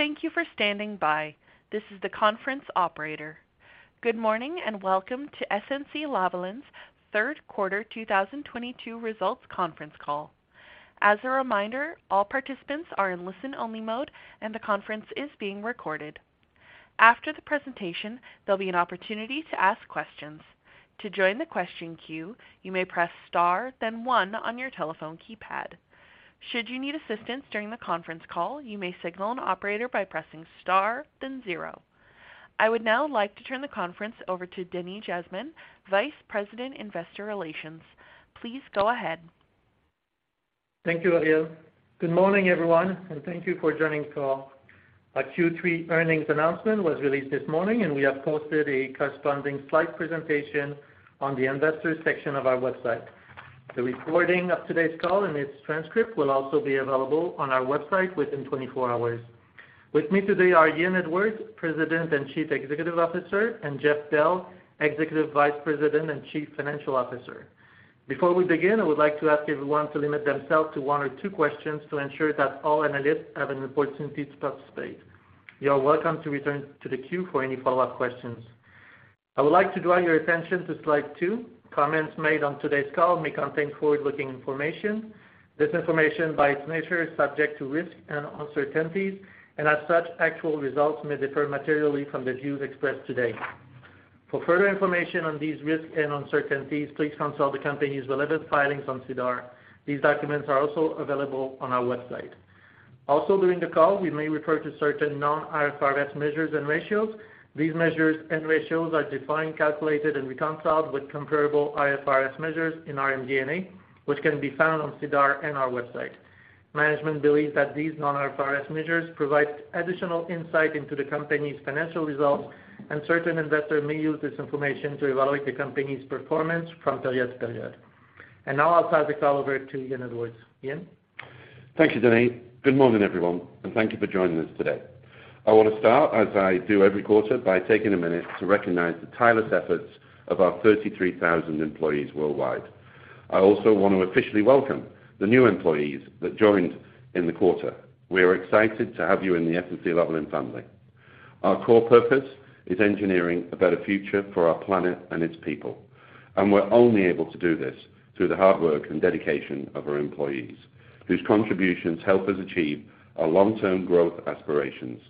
Thank you for standing by. This is the conference operator. Good morning, and welcome to SNC-Lavalin's third quarter 2022 results conference call. As a reminder, all participants are in listen-only mode, and the conference is being recorded. After the presentation, there'll be an opportunity to ask questions. To join the question queue, you may press star then one on your telephone keypad. Should you need assistance during the conference call, you may signal an operator by pressing star then zero. I would now like to turn the conference over to Denis Jasmin, Vice President, Investor Relations. Please go ahead. Thank you, Ariel. Good morning, everyone, and thank you for joining the call. Our Q3 earnings announcement was released this morning, and we have posted a corresponding slide presentation on the Investors section of our website. The recording of today's call and its transcript will also be available on our website within 24 hours. With me today are Ian Edwards, President and Chief Executive Officer, and Jeff Bell, Executive Vice President and Chief Financial Officer. Before we begin, I would like to ask everyone to limit themselves to one or two questions to ensure that all analysts have an opportunity to participate. You are welcome to return to the queue for any follow-up questions. I would like to draw your attention to slide 2. Comments made on today's call may contain forward-looking information. This information, by its nature, is subject to risks and uncertainties, and as such, actual results may differ materially from the views expressed today. For further information on these risks and uncertainties, please consult the company's relevant filings on SEDAR. These documents are also available on our website. Also, during the call, we may refer to certain non-IFRS measures and ratios. These measures and ratios are defined, calculated, and reconciled with comparable IFRS measures in our MD&A, which can be found on SEDAR and our website. Management believes that these non-IFRS measures provide additional insight into the company's financial results, and certain investors may use this information to evaluate the company's performance from period to period. Now I'll pass the call over to Ian Edwards. Ian? Thank you, Denis. Good morning, everyone, and thank you for joining us today. I want to start, as I do every quarter, by taking a minute to recognize the tireless efforts of our 33,000 employees worldwide. I also want to officially welcome the new employees that joined in the quarter. We are excited to have you in the SNC-Lavalin family. Our core purpose is engineering a better future for our planet and its people, and we're only able to do this through the hard work and dedication of our employees, whose contributions help us achieve our long-term growth aspirations.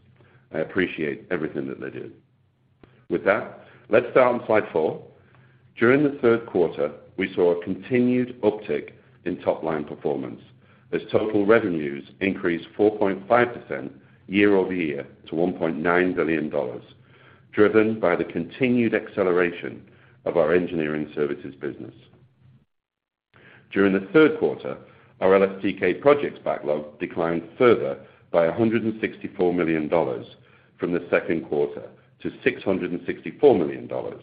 I appreciate everything that they do. With that, let's start on slide 4. During the third quarter, we saw a continued uptick in top-line performance as total revenues increased 4.5% year-over-year to 1.9 billion dollars, driven by the continued acceleration of our engineering services business. During the third quarter, our LSTK projects backlog declined further by 164 million dollars from the second quarter to 664 million dollars.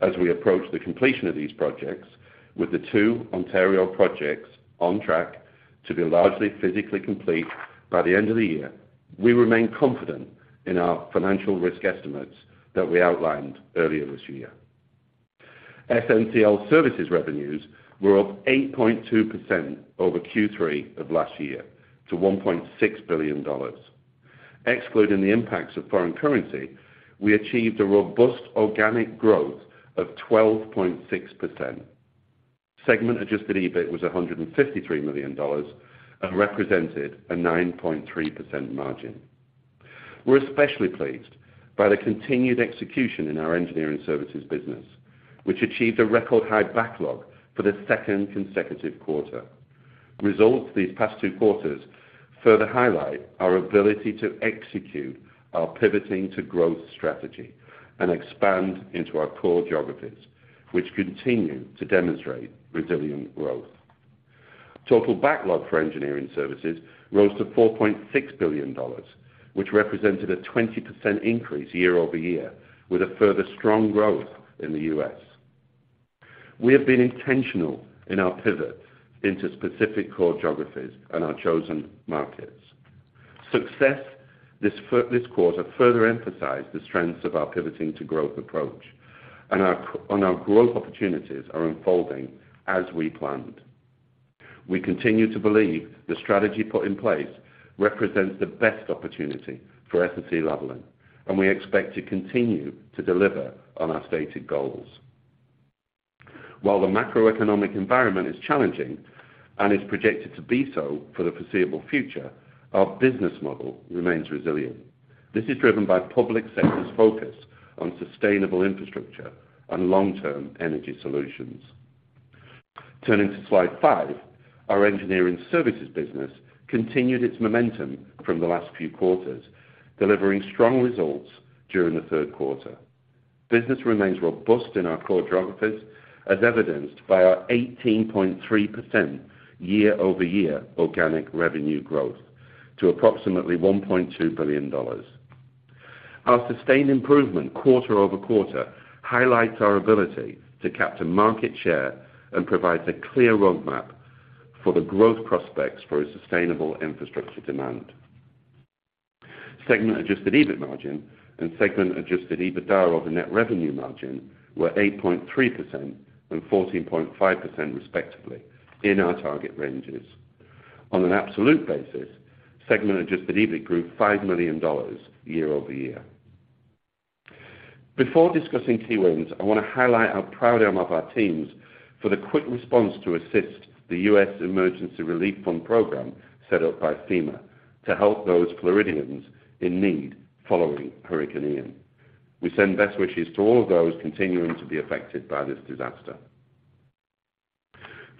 As we approach the completion of these projects, with the two Ontario projects on track to be largely physically complete by the end of the year, we remain confident in our financial risk estimates that we outlined earlier this year. SNCL Services revenues were up 8.2% over Q3 of last year to 1.6 billion dollars. Excluding the impacts of foreign currency, we achieved a robust organic growth of 12.6%. Segment adjusted EBIT was 153 million dollars and represented a 9.3% margin. We're especially pleased by the continued execution in our engineering services business, which achieved a record high backlog for the second consecutive quarter. Results these past two quarters further highlight our ability to execute our pivoting to growth strategy and expand into our core geographies, which continue to demonstrate resilient growth. Total backlog for engineering services rose to 4.6 billion dollars, which represented a 20% increase year-over-year, with a further strong growth in the U.S. We have been intentional in our pivot into specific core geographies and our chosen markets. Success this quarter further emphasized the strengths of our pivoting to growth approach and our growth opportunities are unfolding as we planned. We continue to believe the strategy put in place represents the best opportunity for SNC-Lavalin, and we expect to continue to deliver on our stated goals. While the macroeconomic environment is challenging and is projected to be so for the foreseeable future, our business model remains resilient. This is driven by public sector's focus on sustainable infrastructure and long-term energy solutions. Turning to slide 5. Our engineering services business continued its momentum from the last few quarters, delivering strong results during the third quarter. Business remains robust in our core geographies, as evidenced by our 18.3% year-over-year organic revenue growth to approximately 1.2 billion dollars. Our sustained improvement quarter-over-quarter highlights our ability to capture market share and provides a clear roadmap for the growth prospects for a sustainable infrastructure demand. Segment adjusted EBIT margin and segment adjusted EBITDA over net revenue margin were 8.3% and 14.5% respectively in our target ranges. On an absolute basis, segment adjusted EBIT grew CAD 5 million year-over-year. Before discussing key wins, I want to highlight how proud I am of our teams for the quick response to assist the U.S. Emergency Relief Fund program set up by FEMA to help those Floridians in need following Hurricane Ian. We send best wishes to all those continuing to be affected by this disaster.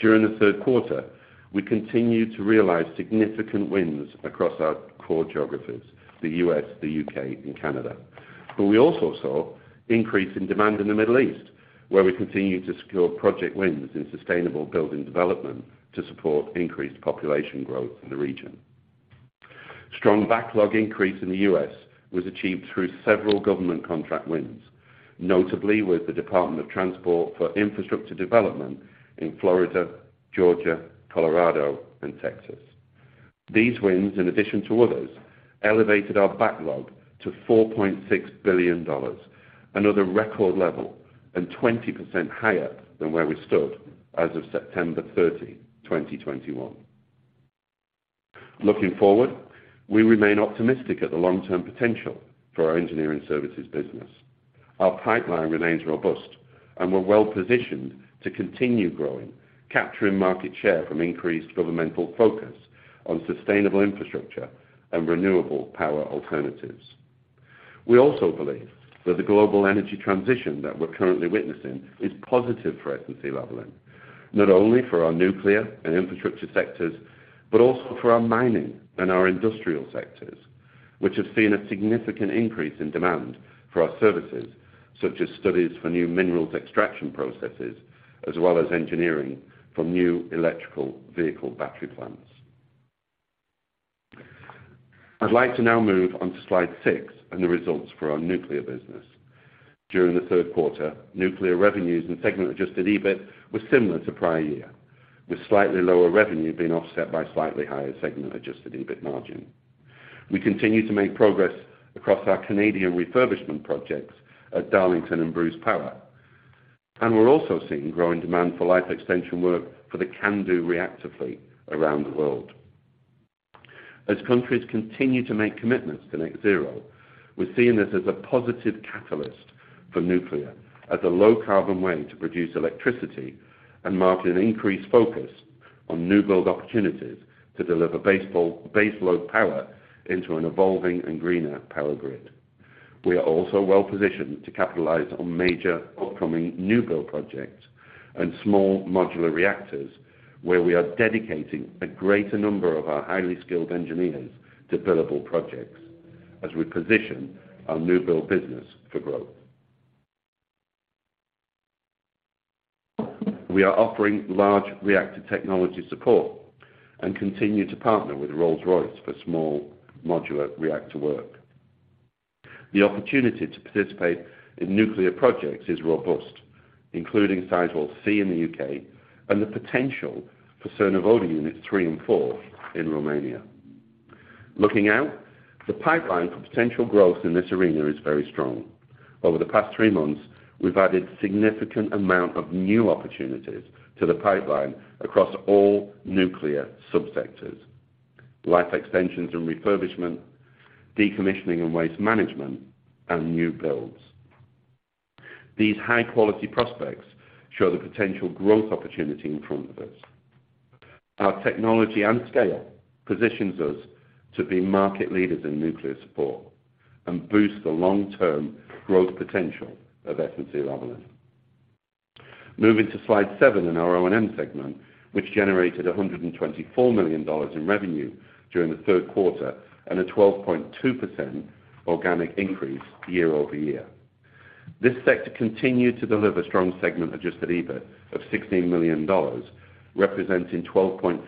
During the third quarter, we continued to realize significant wins across our core geographies, the U.S., the U.K., and Canada. We also saw increase in demand in the Middle East, where we continue to secure project wins in sustainable building development to support increased population growth in the region. Strong backlog increase in the US was achieved through several government contract wins, notably with the Department of Transportation for Infrastructure Development in Florida, Georgia, Colorado, and Texas. These wins, in addition to others, elevated our backlog to $4.6 billion, another record level and 20% higher than where we stood as of September 30, 2021. Looking forward, we remain optimistic at the long-term potential for our engineering services business. Our pipeline remains robust, and we're well-positioned to continue growing, capturing market share from increased governmental focus on sustainable infrastructure and renewable power alternatives. We also believe that the global energy transition that we're currently witnessing is positive for SNCL, not only for our nuclear and infrastructure sectors, but also for our mining and our industrial sectors, which have seen a significant increase in demand for our services, such as studies for new minerals extraction processes, as well as engineering for new electric vehicle battery plants. I'd like to now move on to slide six and the results for our nuclear business. During the third quarter, nuclear revenues and segment-adjusted EBIT were similar to prior year, with slightly lower revenue being offset by slightly higher segment-adjusted EBIT margin. We continue to make progress across our Canadian refurbishment projects at Darlington and Bruce Power, and we're also seeing growing demand for life extension work for the CANDU reactor fleet around the world. As countries continue to make commitments to net zero, we're seeing this as a positive catalyst for nuclear as a low-carbon way to produce electricity and mark an increased focus on new build opportunities to deliver base load power into an evolving and greener power grid. We are also well-positioned to capitalize on major upcoming new build projects and small modular reactors, where we are dedicating a greater number of our highly skilled engineers to billable projects as we position our new build business for growth. We are offering large reactor technology support and continue to partner with Rolls-Royce for small modular reactor work. The opportunity to participate in nuclear projects is robust, including Sizewell C in the U.K. and the potential for Cernavodă Units 3 and 4 in Romania. Looking out, the pipeline for potential growth in this arena is very strong. Over the past three months, we've added significant amount of new opportunities to the pipeline across all nuclear subsectors, life extensions and refurbishment, decommissioning and waste management, and new builds. These high-quality prospects show the potential growth opportunity in front of us. Our technology and scale positions us to be market leaders in nuclear support and boost the long-term growth potential of SNC-Lavalin. Moving to slide 7 in our O&M segment, which generated 124 million dollars in revenue during the third quarter and a 12.2% organic increase year-over-year. This sector continued to deliver strong segment-adjusted EBIT of 16 million dollars, representing 12.7%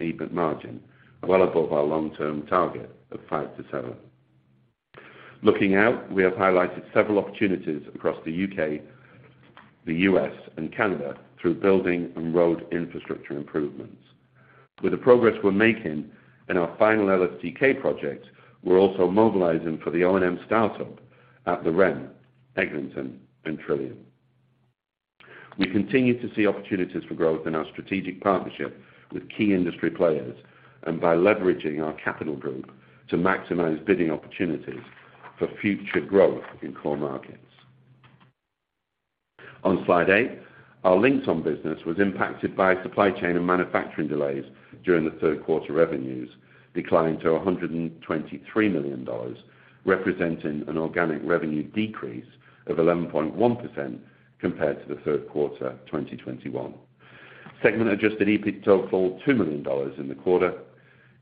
EBIT margin, well above our long-term target of 5%-7%. Looking out, we have highlighted several opportunities across the U.K., the U.S., and Canada through building and road infrastructure improvements. With the progress we're making in our final LSTK project, we're also mobilizing for the O&M startup at the REM, Eglinton, and Trillium. We continue to see opportunities for growth in our strategic partnership with key industry players and by leveraging our capital group to maximize bidding opportunities for future growth in core markets. On slide 8, our Linxon business was impacted by supply chain and manufacturing delays during the third quarter, revenues declining to 123 million dollars, representing an organic revenue decrease of 11.1% compared to the third quarter 2021. Segment-adjusted EBIT to 2 million dollars in the quarter.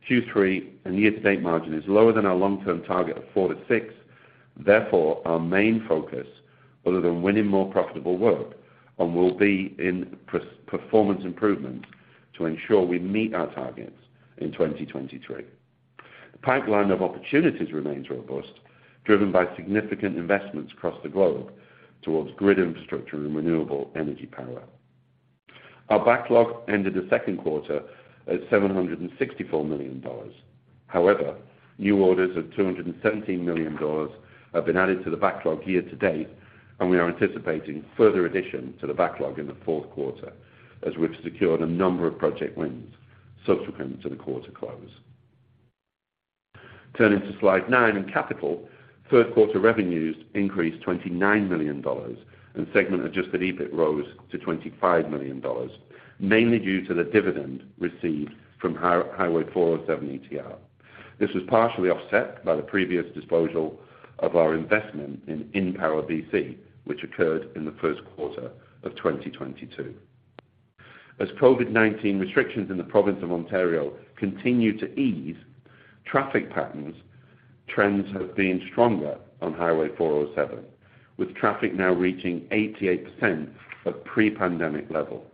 Q3 and year-to-date margin is lower than our long-term target of 4%-6%. Therefore, our main focus, other than winning more profitable work, will be in performance improvement to ensure we meet our targets in 2023. The pipeline of opportunities remains robust, driven by significant investments across the globe towards grid infrastructure and renewable energy power. Our backlog ended the second quarter at 764 million dollars. However, new orders of 217 million dollars have been added to the backlog year to date, and we are anticipating further addition to the backlog in the fourth quarter as we've secured a number of project wins subsequent to the quarter close. Turning to slide 9, in capital, third quarter revenues increased 29 million dollars and segment adjusted EBIT rose to 25 million dollars, mainly due to the dividend received from Highway 407 ETR. This was partially offset by the previous disposal of our investment in InPower BC, which occurred in the first quarter of 2022. As COVID-19 restrictions in the province of Ontario continue to ease, traffic patterns trends have been stronger on Highway 407, with traffic now reaching 88% of pre-pandemic level.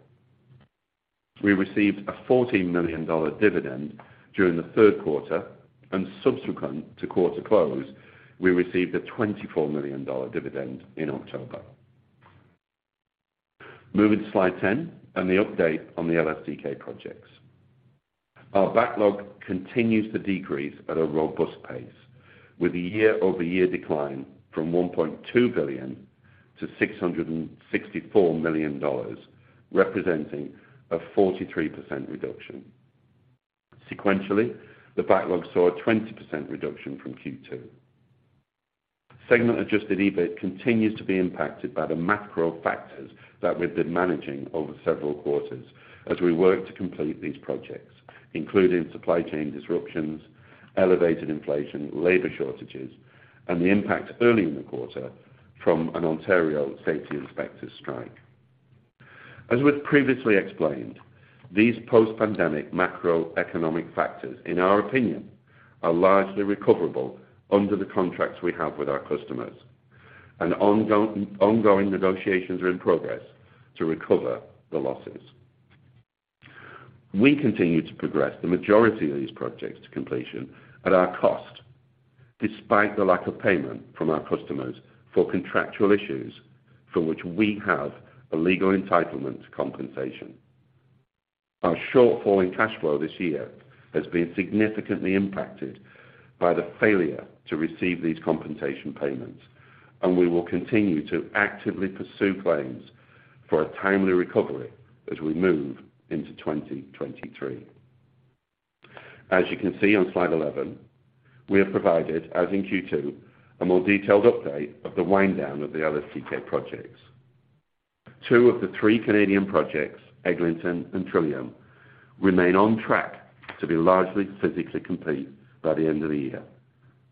We received a 40 million dollar dividend during the third quarter, and subsequent to quarter close, we received a 24 million dollar dividend in October. Moving to slide 10 and the update on the LSTK projects. Our backlog continues to decrease at a robust pace with a year-over-year decline from 1.2 billion to 664 million dollars, representing a 43% reduction. Sequentially, the backlog saw a 20% reduction from Q2. Segment adjusted EBIT continues to be impacted by the macro factors that we've been managing over several quarters as we work to complete these projects, including supply chain disruptions, elevated inflation, labor shortages, and the impact early in the quarter from an Ontario safety inspector strike. As we've previously explained, these post-pandemic macroeconomic factors, in our opinion, are largely recoverable under the contracts we have with our customers, and ongoing negotiations are in progress to recover the losses. We continue to progress the majority of these projects to completion at our cost, despite the lack of payment from our customers for contractual issues for which we have a legal entitlement to compensation. Our shortfall in cash flow this year has been significantly impacted by the failure to receive these compensation payments, and we will continue to actively pursue claims for a timely recovery as we move into 2023. As you can see on slide 11, we have provided, as in Q2, a more detailed update of the wind down of the LSTK projects. Two of the three Canadian projects, Eglinton and Trillium, remain on track to be largely physically complete by the end of the year.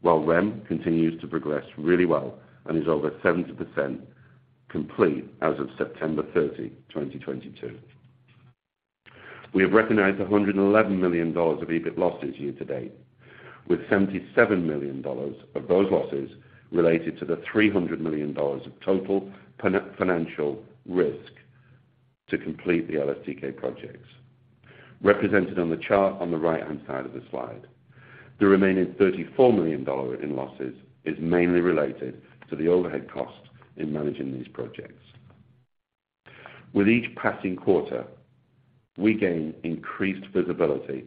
While REM continues to progress really well and is over 70% complete as of September 30, 2022. We have recognized 111 million dollars of EBIT losses year to date, with 77 million dollars of those losses related to the 300 million dollars of total financial risk to complete the LSTK projects, represented on the chart on the right-hand side of the slide. The remaining 34 million dollar in losses is mainly related to the overhead cost in managing these projects. With each passing quarter, we gain increased visibility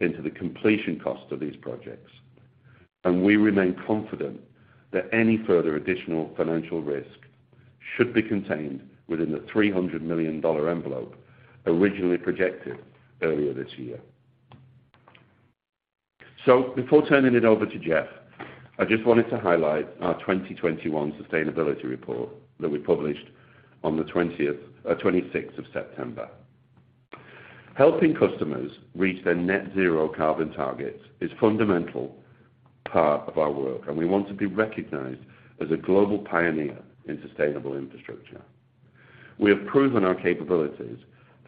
into the completion cost of these projects, and we remain confident that any further additional financial risk should be contained within the 300 million dollar envelope originally projected earlier this year. Before turning it over to Jeff, I just wanted to highlight our 2021 sustainability report that we published on the 26th of September. Helping customers reach their net zero carbon targets is fundamental part of our work, and we want to be recognized as a global pioneer in sustainable infrastructure. We have proven our capabilities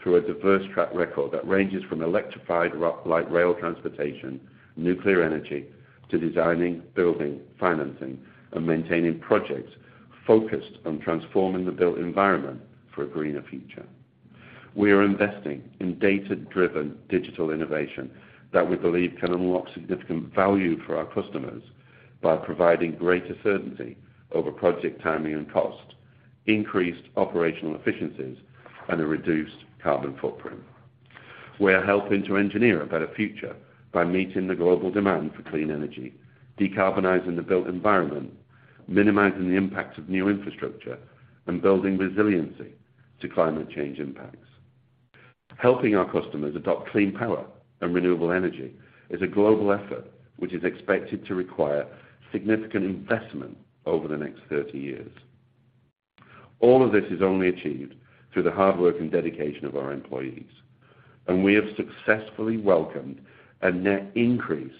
through a diverse track record that ranges from electrified light rail transportation, nuclear energy, to designing, building, financing, and maintaining projects focused on transforming the built environment for a greener future. We are investing in data-driven digital innovation that we believe can unlock significant value for our customers by providing greater certainty over project timing and cost, increased operational efficiencies, and a reduced carbon footprint. We are helping to engineer a better future by meeting the global demand for clean energy, decarbonizing the built environment, minimizing the impacts of new infrastructure, and building resiliency to climate change impacts. Helping our customers adopt clean power and renewable energy is a global effort which is expected to require significant investment over the next 30 years. All of this is only achieved through the hard work and dedication of our employees, and we have successfully welcomed a net increase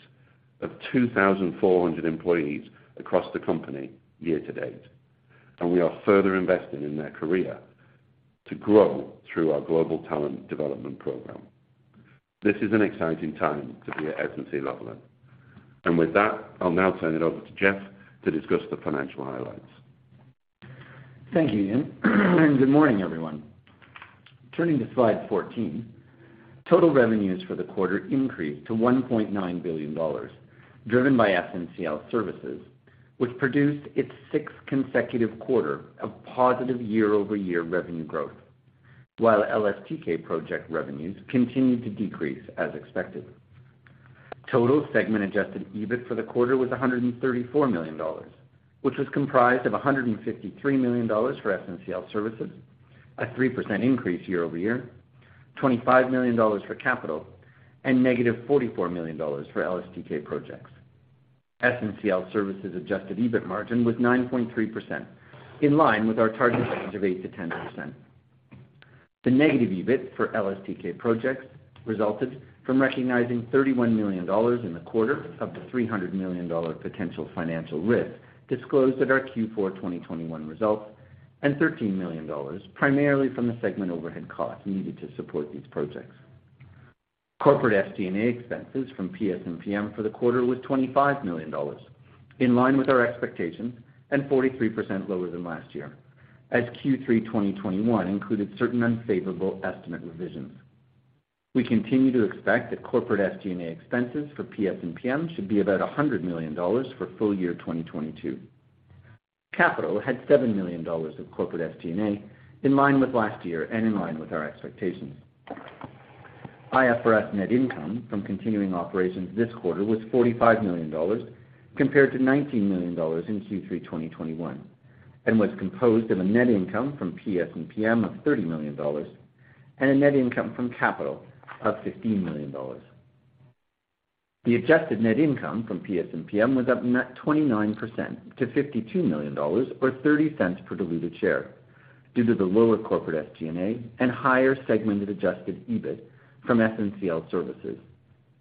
of 2,400 employees across the company year to date, and we are further investing in their career to grow through our global talent development program. This is an exciting time to be at SNC-Lavalin. With that, I'll now turn it over to Jeff to discuss the financial highlights. Thank you, Ian. Good morning, everyone. Turning to slide 14, total revenues for the quarter increased to 1.9 billion dollars, driven by SNCL Services, which produced its sixth consecutive quarter of positive year-over-year revenue growth, while LSTK project revenues continued to decrease as expected. Total segment adjusted EBIT for the quarter was 134 million dollars, which was comprised of 153 million dollars for SNCL Services, a 3% increase year over year. 25 million dollars for Capital and -44 million dollars for LSTK projects. SNCL Services adjusted EBIT margin was 9.3%, in line with our target range of 8%-10%. The negative EBIT for LSTK projects resulted from recognizing 31 million dollars in the quarter of the 300 million dollar potential financial risk disclosed at our Q4 2021 results, and 13 million dollars primarily from the segment overhead costs needed to support these projects. Corporate SG&A expenses from PS&PM for the quarter was 25 million dollars, in line with our expectations and 43% lower than last year, as Q3 2021 included certain unfavorable estimate revisions. We continue to expect that corporate SG&A expenses for PS&PM should be about 100 million dollars for full year 2022. Capital had 7 million dollars of corporate SG&A in line with last year and in line with our expectations. IFRS net income from continuing operations this quarter was 45 million dollars compared to 19 million dollars in Q3 2021, and was composed of a net income from PS&PM of 30 million dollars and a net income from capital of 15 million dollars. The adjusted net income from PS&PM was up net 29% to 52 million dollars or 0.30 per diluted share, due to the lower corporate SG&A and higher segmented adjusted EBIT from SNCL Services,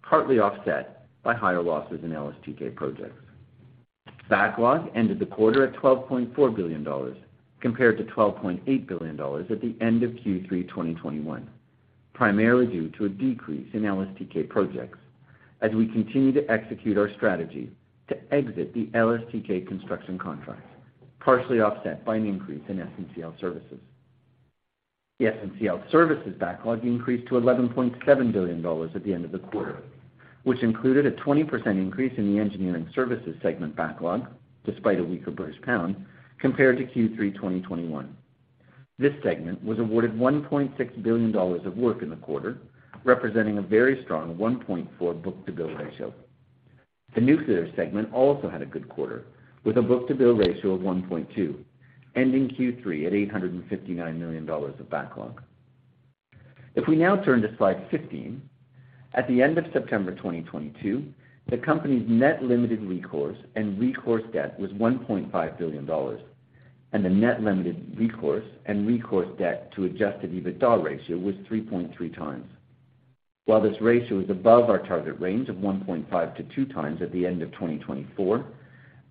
partly offset by higher losses in LSTK projects. Backlog ended the quarter at 12.4 billion dollars compared to 12.8 billion dollars at the end of Q3 2021, primarily due to a decrease in LSTK projects as we continue to execute our strategy to exit the LSTK construction contracts, partially offset by an increase in SNCL Services. The SNCL Services backlog increased to 11.7 billion dollars at the end of the quarter, which included a 20% increase in the engineering services segment backlog despite a weaker British pound compared to Q3 2021. This segment was awarded 1.6 billion dollars of work in the quarter, representing a very strong 1.4 book-to-bill ratio. The nuclear segment also had a good quarter, with a book-to-bill ratio of 1.2, ending Q3 at 859 million dollars of backlog. If we now turn to slide 15, at the end of September 2022, the company's net limited recourse and recourse debt was 1.5 billion dollars, and the net limited recourse and recourse debt to adjusted EBITDA ratio was 3.3 times. While this ratio is above our target range of 1.5-2 times at the end of 2024,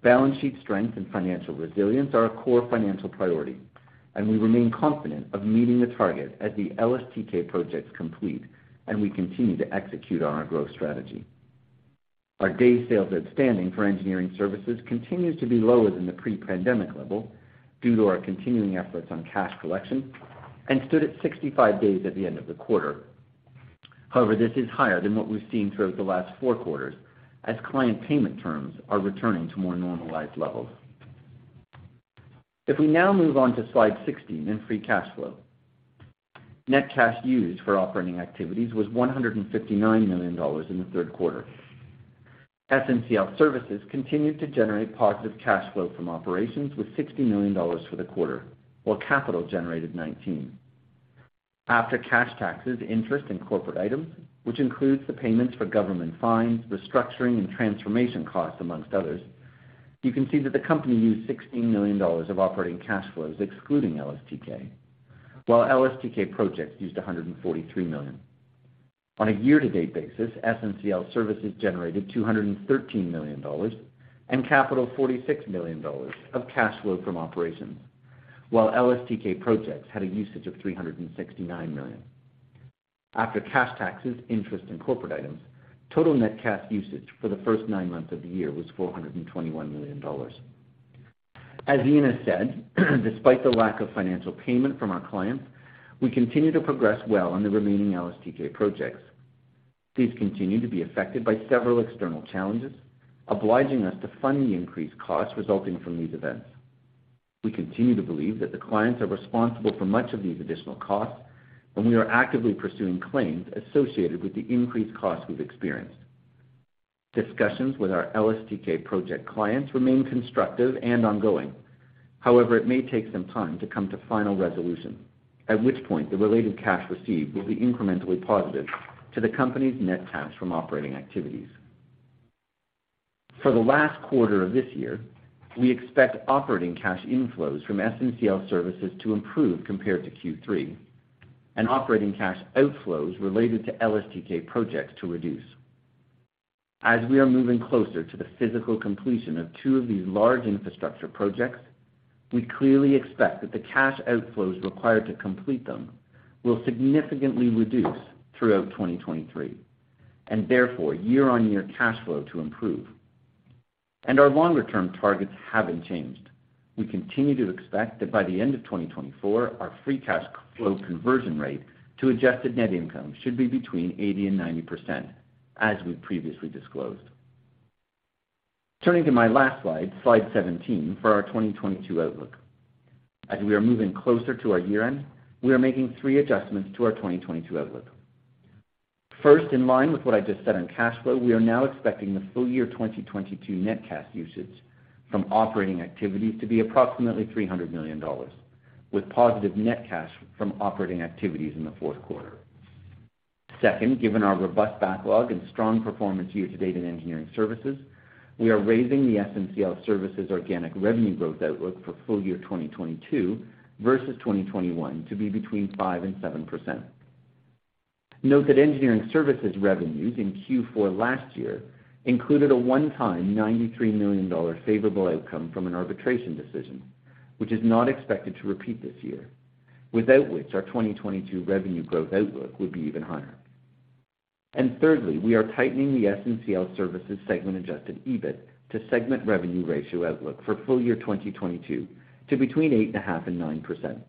balance sheet strength and financial resilience are a core financial priority, and we remain confident of meeting the target as the LSTK projects complete and we continue to execute on our growth strategy. Our day sales outstanding for engineering services continues to be lower than the pre-pandemic level due to our continuing efforts on cash collection and stood at 65 days at the end of the quarter. However, this is higher than what we've seen throughout the last four quarters as client payment terms are returning to more normalized levels. If we now move on to slide 16 in free cash flow. Net cash used for operating activities was 159 million dollars in the third quarter. SNCL Services continued to generate positive cash flow from operations with 60 million dollars for the quarter, while capital generated 19 million. After cash taxes, interest, and corporate items, which includes the payments for government fines, restructuring, and transformation costs, among others, you can see that the company used 16 million dollars of operating cash flows excluding LSTK, while LSTK projects used 143 million. On a year-to-date basis, SNCL Services generated 213 million dollars and capital 46 million dollars of cash flow from operations, while LSTK projects had a usage of 369 million. After cash taxes, interest, and corporate items, total net cash usage for the first nine months of the year was 421 million dollars. As Ian has said, despite the lack of financial payment from our clients, we continue to progress well on the remaining LSTK projects. These continue to be affected by several external challenges, obliging us to fund the increased costs resulting from these events. We continue to believe that the clients are responsible for much of these additional costs, and we are actively pursuing claims associated with the increased costs we've experienced. Discussions with our LSTK project clients remain constructive and ongoing. However, it may take some time to come to final resolution, at which point the related cash received will be incrementally positive to the company's net cash from operating activities. For the last quarter of this year, we expect operating cash inflows from SNCL Services to improve compared to Q3 and operating cash outflows related to LSTK projects to reduce. As we are moving closer to the physical completion of two of these large infrastructure projects, we clearly expect that the cash outflows required to complete them will significantly reduce throughout 2023, and therefore, year-on-year cash flow to improve. Our longer-term targets haven't changed. We continue to expect that by the end of 2024, our free cash flow conversion rate to adjusted net income should be between 80% and 90%, as we've previously disclosed. Turning to my last slide 17, for our 2022 outlook. As we are moving closer to our year-end, we are making three adjustments to our 2022 outlook. First, in line with what I just said on cash flow, we are now expecting the full year 2022 net cash usage from operating activities to be approximately 300 million dollars, with positive net cash from operating activities in the fourth quarter. Second, given our robust backlog and strong performance year to date in engineering services, we are raising the SNCL Services organic revenue growth outlook for full year 2022 versus 2021 to be between 5%-7%. Note that engineering services revenues in Q4 last year included a one-time $93 million favorable outcome from an arbitration decision, which is not expected to repeat this year, without which our 2022 revenue growth outlook would be even higher. Third, we are tightening the SNCL Services segment adjusted EBIT to segment revenue ratio outlook for full year 2022 to between 8.5%-9%,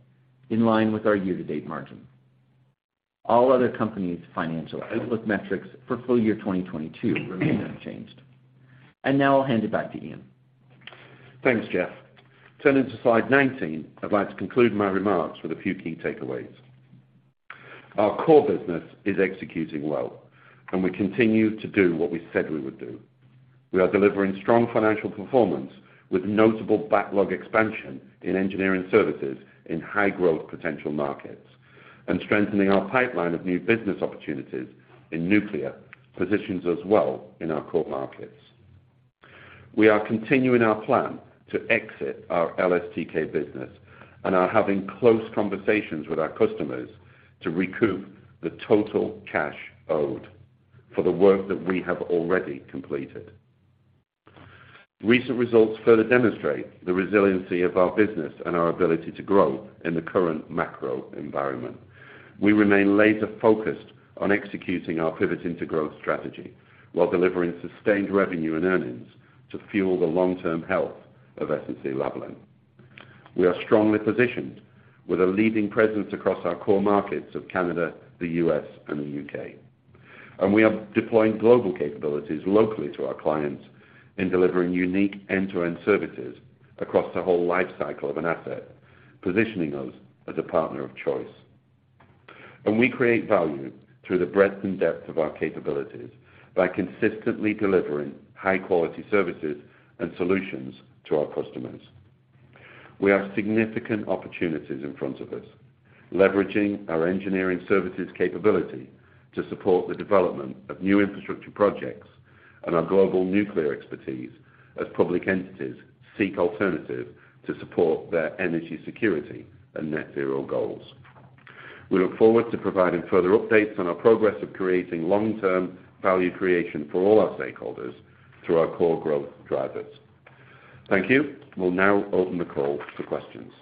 in line with our year-to-date margin. All other company's financial outlook metrics for full year 2022 remain unchanged. Now I'll hand it back to Ian. Thanks, Jeff. Turning to slide 19, I'd like to conclude my remarks with a few key takeaways. Our core business is executing well, and we continue to do what we said we would do. We are delivering strong financial performance with notable backlog expansion in engineering services in high growth potential markets and strengthening our pipeline of new business opportunities in nuclear positions as well in our core markets. We are continuing our plan to exit our LSTK business and are having close conversations with our customers to recoup the total cash owed for the work that we have already completed. Recent results further demonstrate the resiliency of our business and our ability to grow in the current macro environment. We remain laser-focused on executing our Pivot into Growth strategy while delivering sustained revenue and earnings to fuel the long-term health of SNC-Lavalin. We are strongly positioned with a leading presence across our core markets of Canada, the U.S., and the U.K., and we are deploying global capabilities locally to our clients in delivering unique end-to-end services across the whole life cycle of an asset, positioning us as a partner of choice. We create value through the breadth and depth of our capabilities by consistently delivering high-quality services and solutions to our customers. We have significant opportunities in front of us, leveraging our engineering services capability to support the development of new infrastructure projects and our global nuclear expertise as public entities seek alternative to support their energy security and net zero goals. We look forward to providing further updates on our progress of creating long-term value creation for all our stakeholders through our core growth drivers. Thank you. We'll now open the call to questions.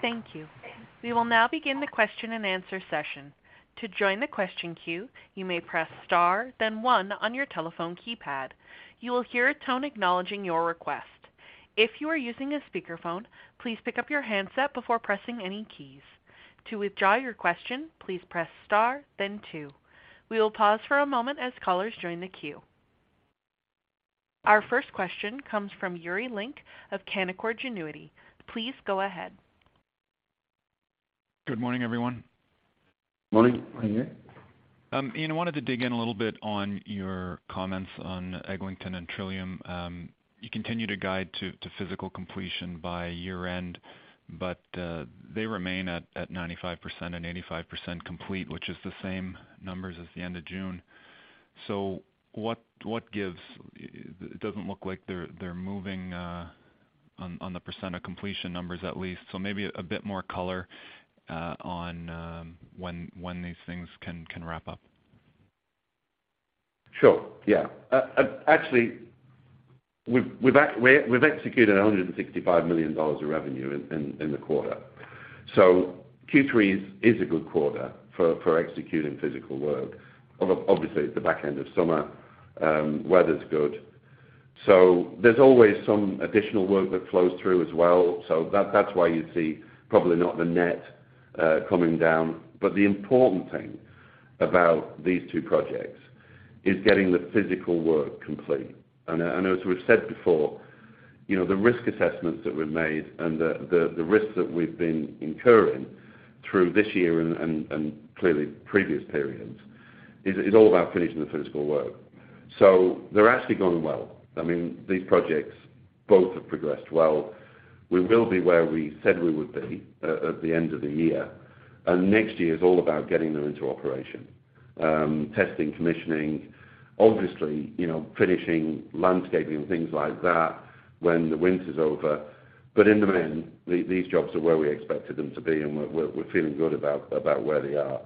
Thank you. We will now begin the question and answer session. To join the question queue, you may press star then one on your telephone keypad. You will hear a tone acknowledging your request. If you are using a speakerphone, please pick up your handset before pressing any keys. To withdraw your question, please press star then two. We will pause for a moment as callers join the queue. Our first question comes from Yuri Lynk of Canaccord Genuity. Please go ahead. Good morning, everyone. Morning. Morning. Ian, I wanted to dig in a little bit on your comments on Eglinton and Trillium. You continue to guide to physical completion by year-end, but they remain at 95% and 85% complete, which is the same numbers as the end of June. What gives? It doesn't look like they're moving on the percent of completion numbers at least. Maybe a bit more color on when these things can wrap up. Sure, yeah. Actually, we've executed 165 million dollars of revenue in the quarter. Q3 is a good quarter for executing physical work. Obviously, it's the back end of summer, weather's good. So there's always some additional work that flows through as well. So that's why you see probably not the net coming down. But the important thing about these two projects is getting the physical work complete. As we've said before, you know, the risk assessments that we've made and the risks that we've been incurring through this year and clearly previous periods is all about finishing the physical work. So they're actually going well. I mean, these projects both have progressed well. We will be where we said we would be at the end of the year, and next year is all about getting them into operation. Testing, commissioning, obviously, you know, finishing landscaping, things like that when the winter's over. In the main, these jobs are where we expected them to be, and we're feeling good about where they are.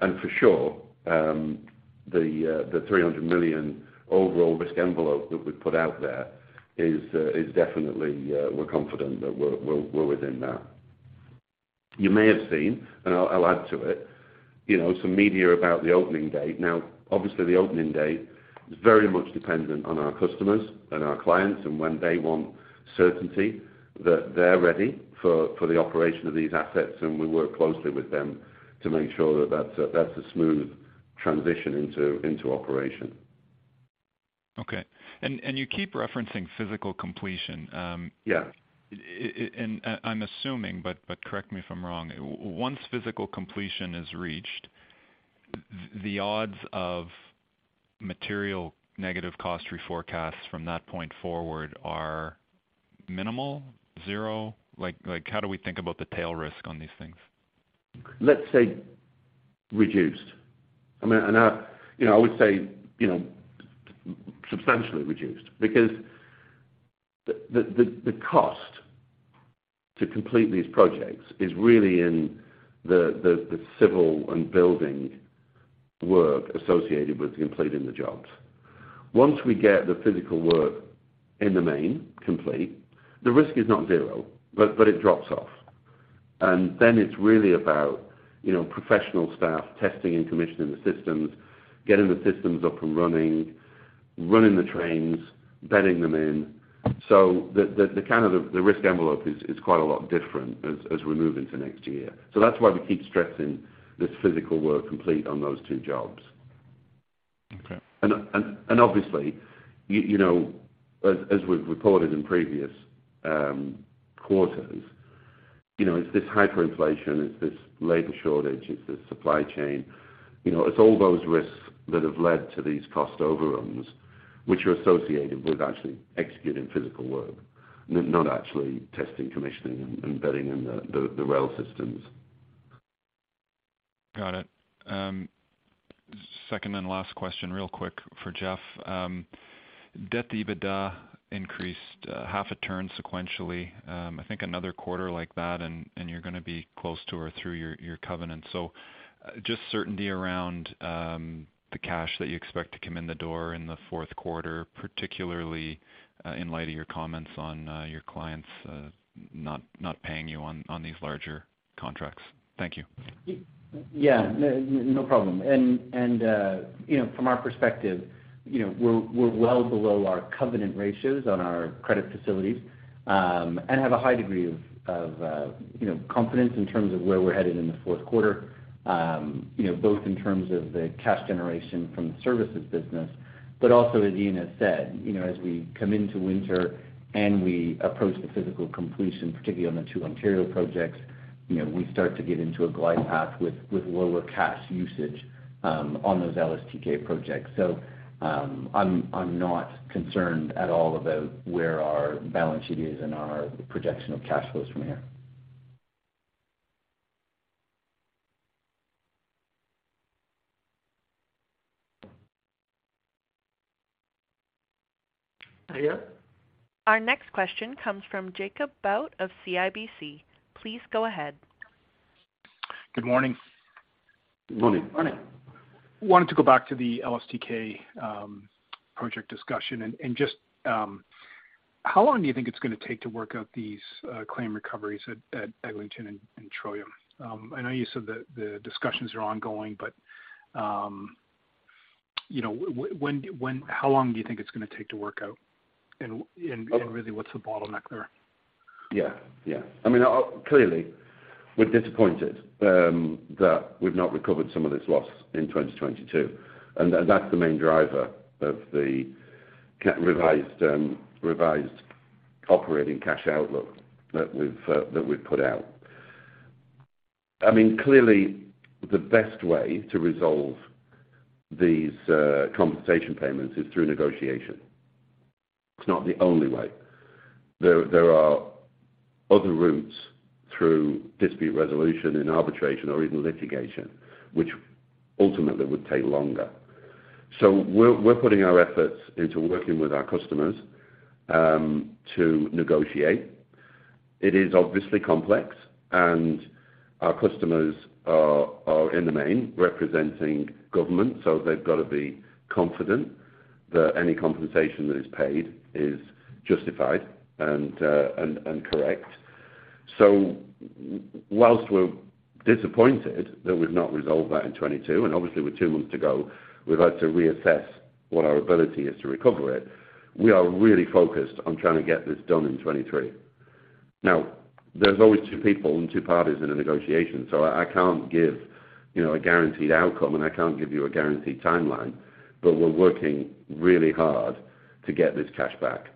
For sure, the 300 million overall risk envelope that we put out there is definitely we're confident that we're within that. You may have seen, and I'll add to it, you know, some media about the opening date. Now, obviously, the opening date is very much dependent on our customers and our clients and when they want certainty that they're ready for the operation of these assets, and we work closely with them to make sure that that's a smooth transition into operation. You keep referencing physical completion. Yes. I'm assuming, but correct me if I'm wrong. Once physical completion is reached, the odds of material negative cost reforecasts from that point forward are minimal, zero? Like, how do we think about the tail risk on these things? Let's say reduced. I mean, you know, I would say, you know, substantially reduced because the cost to complete these projects is really in the civil and building work associated with completing the jobs. Once we get the physical work in the main complete, the risk is not zero, but it drops off. It's really about, you know, professional staff testing and commissioning the systems, getting the systems up and running the trains, bedding them in. The kind of the risk envelope is quite a lot different as we move into next year. That's why we keep stressing this physical work complete on those two jobs. Okay. Obviously, you know, as we've reported in previous quarters, you know, it's this hyperinflation, it's this labor shortage, it's this supply chain. You know, it's all those risks that have led to these cost overruns, which are associated with actually executing physical work, not actually testing, commissioning, and bedding in the rail systems. Got it. Second and last question, real quick for Jeff. Debt to EBITDA increased half a turn sequentially. I think another quarter like that and you're gonna be close to or through your covenant. Just certainty around the cash that you expect to come in the door in the fourth quarter, particularly in light of your comments on your clients not paying you on these larger contracts. Thank you. Yeah. No problem. You know, from our perspective, you know, we're well below our covenant ratios on our credit facilities, and have a high degree of confidence in terms of where we're headed in the fourth quarter. You know, both in terms of the cash generation from the services business, but also as Ian has said, you know, as we come into winter and we approach the physical completion, particularly on the two Ontario projects, you know, we start to get into a glide path with lower cash usage on those LSTK projects. I'm not concerned at all about where our balance sheet is and our projection of cash flows from here. Ariel. Our next question comes from Jacob Bout of CIBC. Please go ahead. Good morning. Morning. Morning. Wanted to go back to the LSTK project discussion and just how long do you think it's gonna take to work out these claim recoveries at Eglinton and Trillium? I know you said that the discussions are ongoing, but you know, how long do you think it's gonna take to work out? Really, what's the bottleneck there? I mean, clearly we're disappointed that we've not recovered some of this loss in 2022, and that's the main driver of the revised operating cash outlook that we've put out. I mean, clearly, the best way to resolve these compensation payments is through negotiation. It's not the only way. There are other routes through dispute resolution and arbitration or even litigation, which ultimately would take longer. We're putting our efforts into working with our customers to negotiate. It is obviously complex, and our customers are in the main, representing government, so they've got to be confident that any compensation that is paid is justified and correct. While we're disappointed that we've not resolved that in 2022, and obviously with 2 months to go, we've had to reassess what our ability is to recover it. We are really focused on trying to get this done in 2023. Now, there's always 2 people and 2 parties in a negotiation, so I can't give, you know, a guaranteed outcome, and I can't give you a guaranteed timeline, but we're working really hard to get this cash back.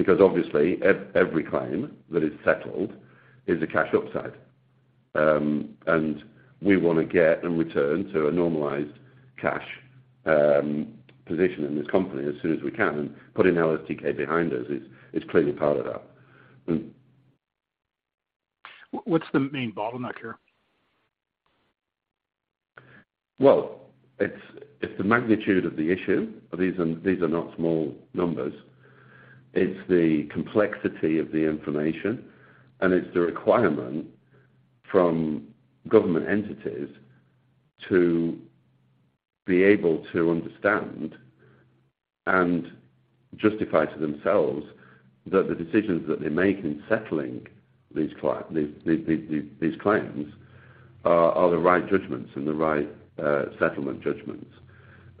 Because obviously every claim that is settled is a cash upside. We wanna get and return to a normalized cash position in this company as soon as we can. Putting LSTK behind us is clearly part of that. What's the main bottleneck here? Well, it's the magnitude of the issue. These are not small numbers. It's the complexity of the information, and it's the requirement from government entities to be able to understand and justify to themselves that the decisions that they make in settling these claims are the right judgments and the right settlement judgments.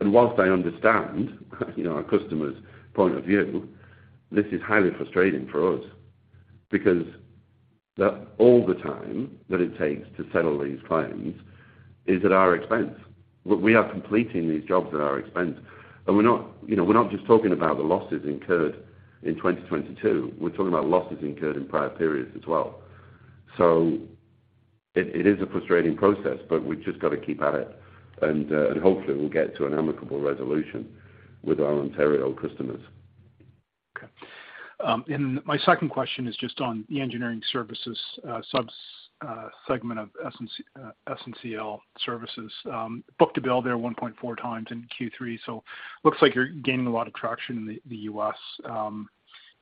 While I understand, you know, our customer's point of view, this is highly frustrating for us because that all the time that it takes to settle these claims is at our expense. We are completing these jobs at our expense, and we're not, you know, we're not just talking about the losses incurred in 2022. We're talking about losses incurred in prior periods as well. It is a frustrating process, but we've just got to keep at it, and hopefully we'll get to an amicable resolution with our Ontario customers. Okay. My second question is just on the engineering services sub-segment of SNCL Services. Book-to-bill there 1.4 times in Q3, so looks like you're gaining a lot of traction in the U.S.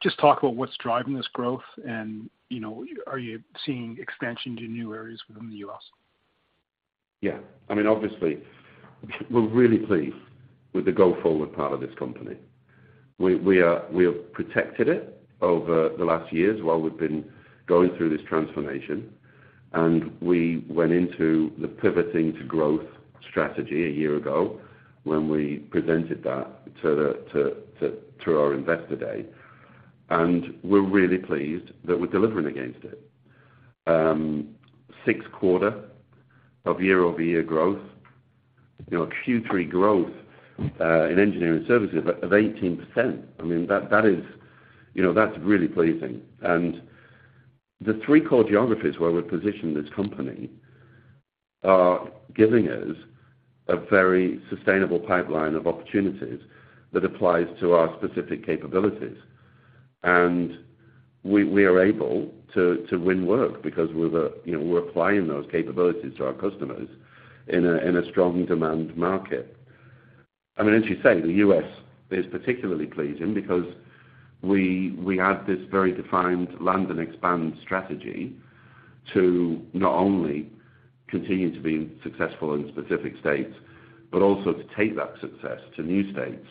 Just talk about what's driving this growth and, you know, are you seeing expansion to new areas within the U.S.? Yeah. I mean, obviously, we're really pleased with the go-forward part of this company. We have protected it over the last years while we've been going through this transformation, and we went into the pivoting to growth strategy a year ago when we presented that to our investor day. We're really pleased that we're delivering against it. Sixth quarter of year-over-year growth. You know, a Q3 growth in engineering services of 18%. I mean, that is, you know, that's really pleasing. The three core geographies where we've positioned this company are giving us a very sustainable pipeline of opportunities that applies to our specific capabilities. We are able to win work because we're the, you know, we're applying those capabilities to our customers in a strong demand market. I mean, as you say, the U.S. is particularly pleasing because we had this very defined land and expand strategy to not only continue to be successful in specific states, but also to take that success to new states.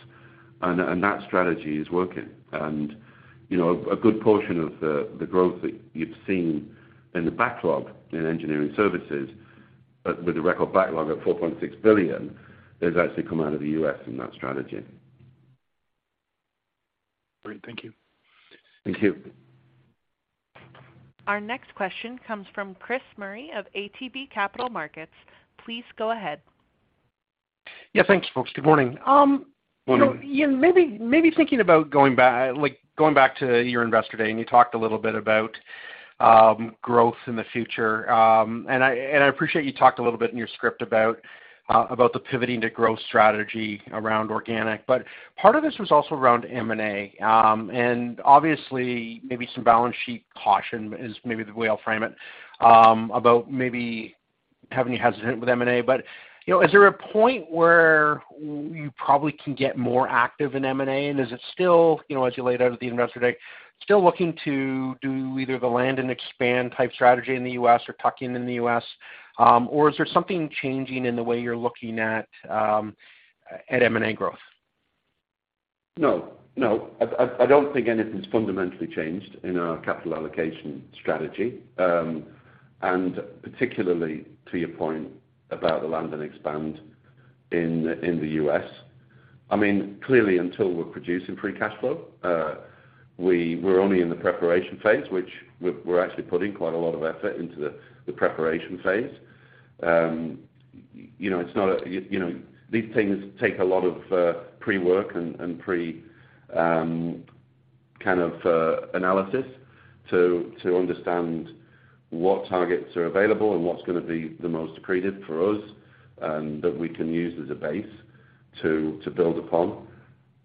That strategy is working. You know, a good portion of the growth that you've seen in the backlog in engineering services, with a record backlog at 4.6 billion, has actually come out of the U.S. in that strategy. Great. Thank you. Thank you. Our next question comes from Chris Murray of ATB Capital Markets. Please go ahead. Yeah. Thanks, folks. Good morning. Morning. You know, Ian, maybe thinking about going back to your Investor Day, and you talked a little bit about growth in the future. And I appreciate you talked a little bit in your script about the pivoting to growth strategy around organic. But part of this was also around M&A, and obviously maybe some balance sheet caution is maybe the way I'll frame it, about maybe having you hesitant with M&A. But you know, is there a point where you probably can get more active in M&A, and is it still, you know, as you laid out at the Investor Day, still looking to do either the land and expand type strategy in the U.S. or tuck in in the U.S.? Or is there something changing in the way you're looking at M&A growth? No, no. I don't think anything's fundamentally changed in our capital allocation strategy. Particularly to your point about the land and expand in the U.S.. I mean, clearly, until we're producing free cash flow, we're only in the preparation phase, which we're actually putting quite a lot of effort into the preparation phase. You know, these things take a lot of pre-work and pre kind of analysis to understand what targets are available and what's gonna be the most accretive for us, that we can use as a base to build upon.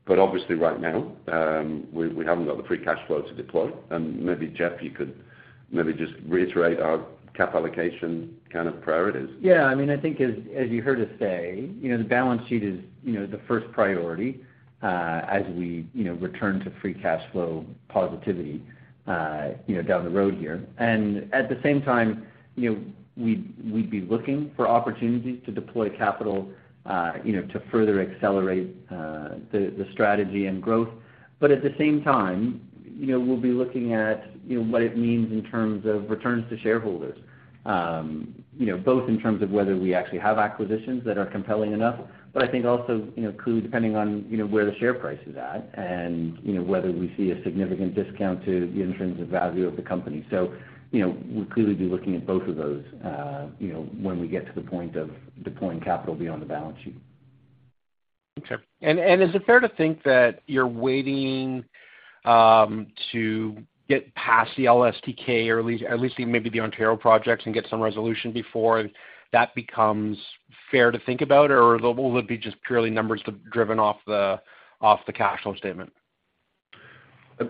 Obviously right now, we haven't got the free cash flow to deploy. Maybe, Jeff, you could just reiterate our cap allocation kind of priorities. Yeah. I mean, I think as you heard us say, you know, the balance sheet is, you know, the first priority, as we, you know, return to free cash flow positivity, you know, down the road here. At the same time, you know, we'd be looking for opportunities to deploy capital, you know, to further accelerate, the strategy and growth. At the same time, you know, we'll be looking at, you know, what it means in terms of returns to shareholders, you know, both in terms of whether we actually have acquisitions that are compelling enough, but I think also, you know, clearly depending on, you know, where the share price is at and, you know, whether we see a significant discount to the intrinsic value of the company. You know, we'll clearly be looking at both of those, you know, when we get to the point of deploying capital beyond the balance sheet. Okay. Is it fair to think that you're waiting to get past the LSTK or at least in maybe the Ontario projects and get some resolution before that becomes fair to think about? Or will it be just purely numbers driven off the cash flow statement?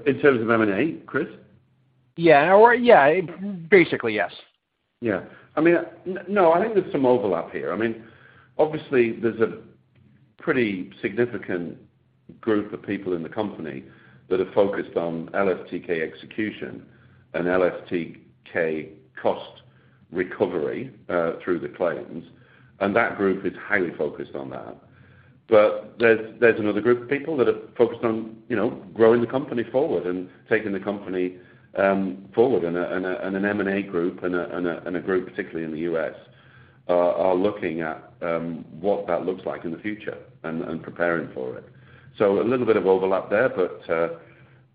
In terms of M&A, Chris? Yeah. Or yeah, basically, yes. Yeah. I mean, no, I think there's some overlap here. I mean, obviously there's a pretty significant group of people in the company that are focused on LSTK execution and LSTK cost recovery through the claims, and that group is highly focused on that. There's another group of people that are focused on you know, growing the company forward and taking the company forward and an M&A group and a group, particularly in the U.S. are looking at what that looks like in the future and preparing for it. A little bit of overlap there, but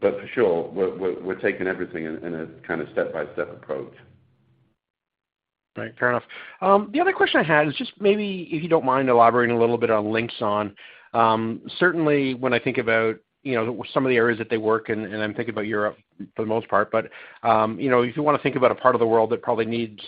for sure, we're taking everything in a kind of step-by-step approach. Right. Fair enough. The other question I had is just maybe if you don't mind elaborating a little bit on Linxon, certainly when I think about, you know, some of the areas that they work, and I'm thinking about Europe for the most part, but, you know, if you wanna think about a part of the world that probably needs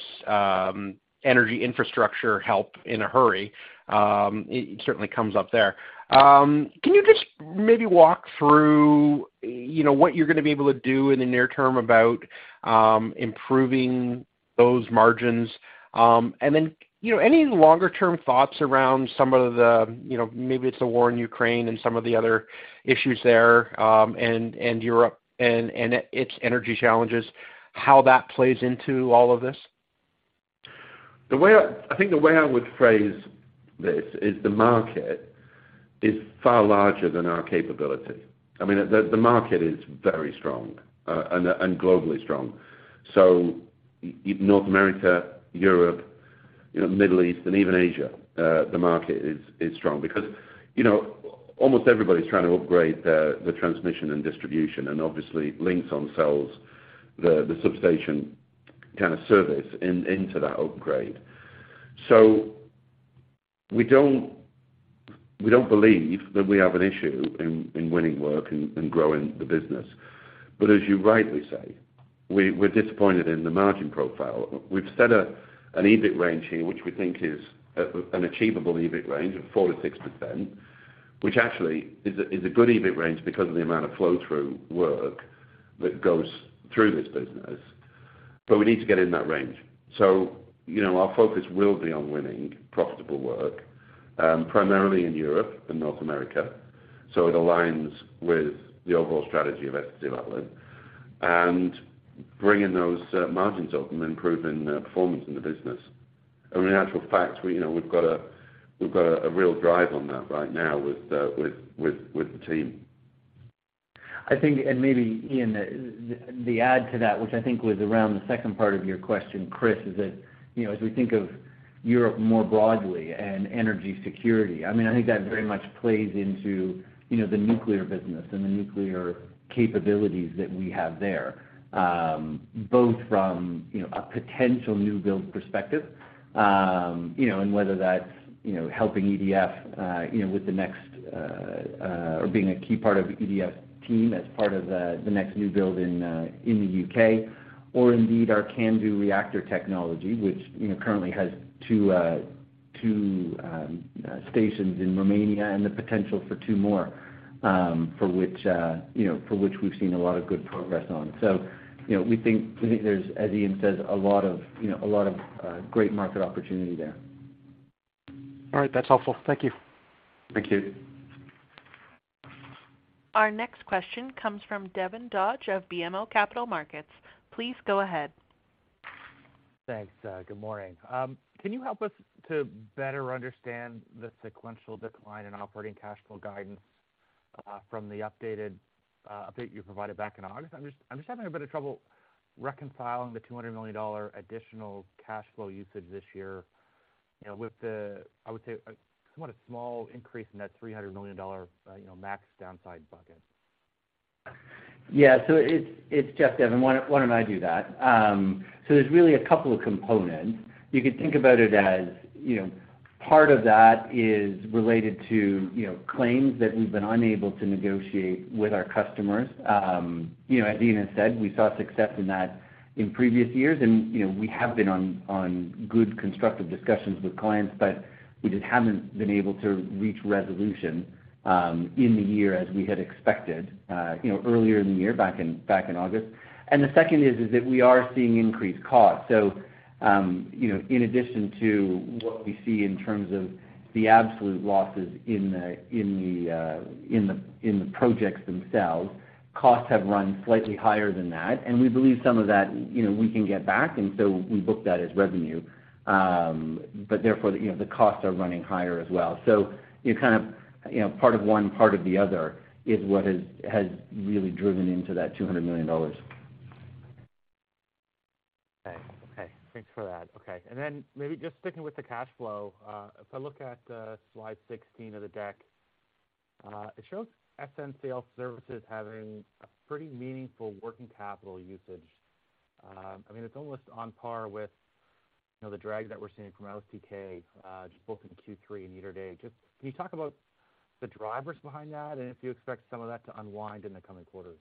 energy infrastructure help in a hurry, it certainly comes up there. Can you just maybe walk through, you know, what you're gonna be able to do in the near term about improving those margins? Any longer-term thoughts around some of the, you know, maybe it's the war in Ukraine and some of the other issues there, and Europe and its energy challenges, how that plays into all of this? I think the way I would phrase this is the market is far larger than our capability. I mean, the market is very strong, and globally strong. North America, Europe, you know, Middle East, and even Asia, the market is strong because, you know, almost everybody's trying to upgrade their the transmission and distribution, and obviously Linxon sells the substation kind of service into that upgrade. We don't believe that we have an issue in winning work and growing the business. As you rightly say, we're disappointed in the margin profile. We've set an EBIT range here, which we think is an achievable EBIT range of 4%-6%, which actually is a good EBIT range because of the amount of flow-through work that goes through this business, but we need to get in that range. You know, our focus will be on winning profitable work, primarily in Europe and North America, so it aligns with the overall strategy of asset development and bringing those margins up and improving the performance in the business. I mean, in actual fact, you know, we've got a real drive on that right now with the team. I think maybe Ian to add to that, which I think was around the second part of your question, Chris, is that, you know, as we think of Europe more broadly and energy security, I mean, I think that very much plays into, you know, the nuclear business and the nuclear capabilities that we have there, both from, you know, a potential new build perspective, you know, and whether that's, you know, helping EDF, you know, with the next or being a key part of EDF's team as part of the next new build in the U.K., or indeed our CANDU reactor technology, which, you know, currently has two stations in Romania and the potential for two more, for which, you know, we've seen a lot of good progress on. You know, we think there's, as Ian says, a lot of, you know, a lot of great market opportunity there. All right. That's helpful. Thank you. Thank you. Our next question comes from Devin Dodge of BMO Capital Markets. Please go ahead. Thanks. Good morning. Can you help us to better understand the sequential decline in operating cash flow guidance, from the updated update you provided back in August? I'm just having a bit of trouble reconciling the 200 million dollar additional cash flow usage this year, you know, with the, I would say, a somewhat small increase in that 300 million dollar, you know, max downside bucket. Yeah. It's just, Devin, why don't I do that? There's really a couple of components. You could think about it as, you know, part of that is related to, you know, claims that we've been unable to negotiate with our customers. You know, as Ian has said, we saw success in that in previous years. You know, we have been on good constructive discussions with clients, but we just haven't been able to reach resolution in the year as we had expected, you know, earlier in the year, back in August. The second is that we are seeing increased costs. You know, in addition to what we see in terms of the absolute losses in the projects themselves, costs have run slightly higher than that, and we believe some of that, you know, we can get back, and so we book that as revenue. Therefore, you know, the costs are running higher as well. You kind of, you know, part of one, part of the other is what has really driven into that 200 million dollars. Okay. Thanks for that. Maybe just sticking with the cash flow, if I look at slide 16 of the deck, it shows SNCL Services having a pretty meaningful working capital usage. I mean, it's almost on par with, you know, the drag that we're seeing from LSTK, just both in Q3 and year to date. Just can you talk about the drivers behind that, and if you expect some of that to unwind in the coming quarters?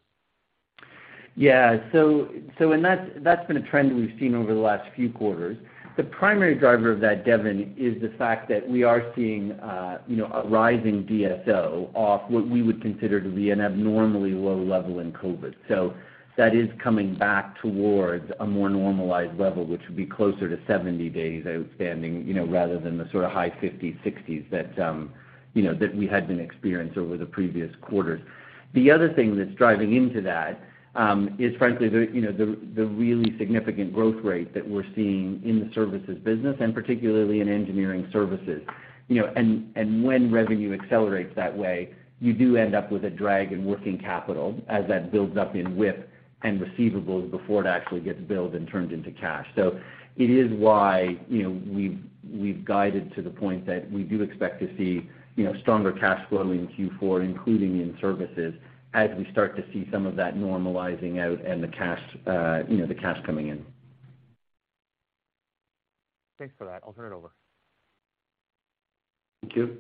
Yeah. That's been a trend that we've seen over the last few quarters. The primary driver of that, Devin, is the fact that we are seeing a rising DSO off what we would consider to be an abnormally low level in COVID. That is coming back towards a more normalized level, which would be closer to 70 days outstanding rather than the sort of high 50s, 60s that we had been experiencing over the previous quarters. The other thing that's driving that is frankly the really significant growth rate that we're seeing in the services business and particularly in engineering services. You know, and when revenue accelerates that way, you do end up with a drag in working capital as that builds up in WIP and receivables before it actually gets billed and turned into cash. That's why, you know, we've guided to the point that we do expect to see, you know, stronger cash flow in Q4, including in services as we start to see some of that normalizing out and the cash coming in. Thanks for that. I'll turn it over. Thank you.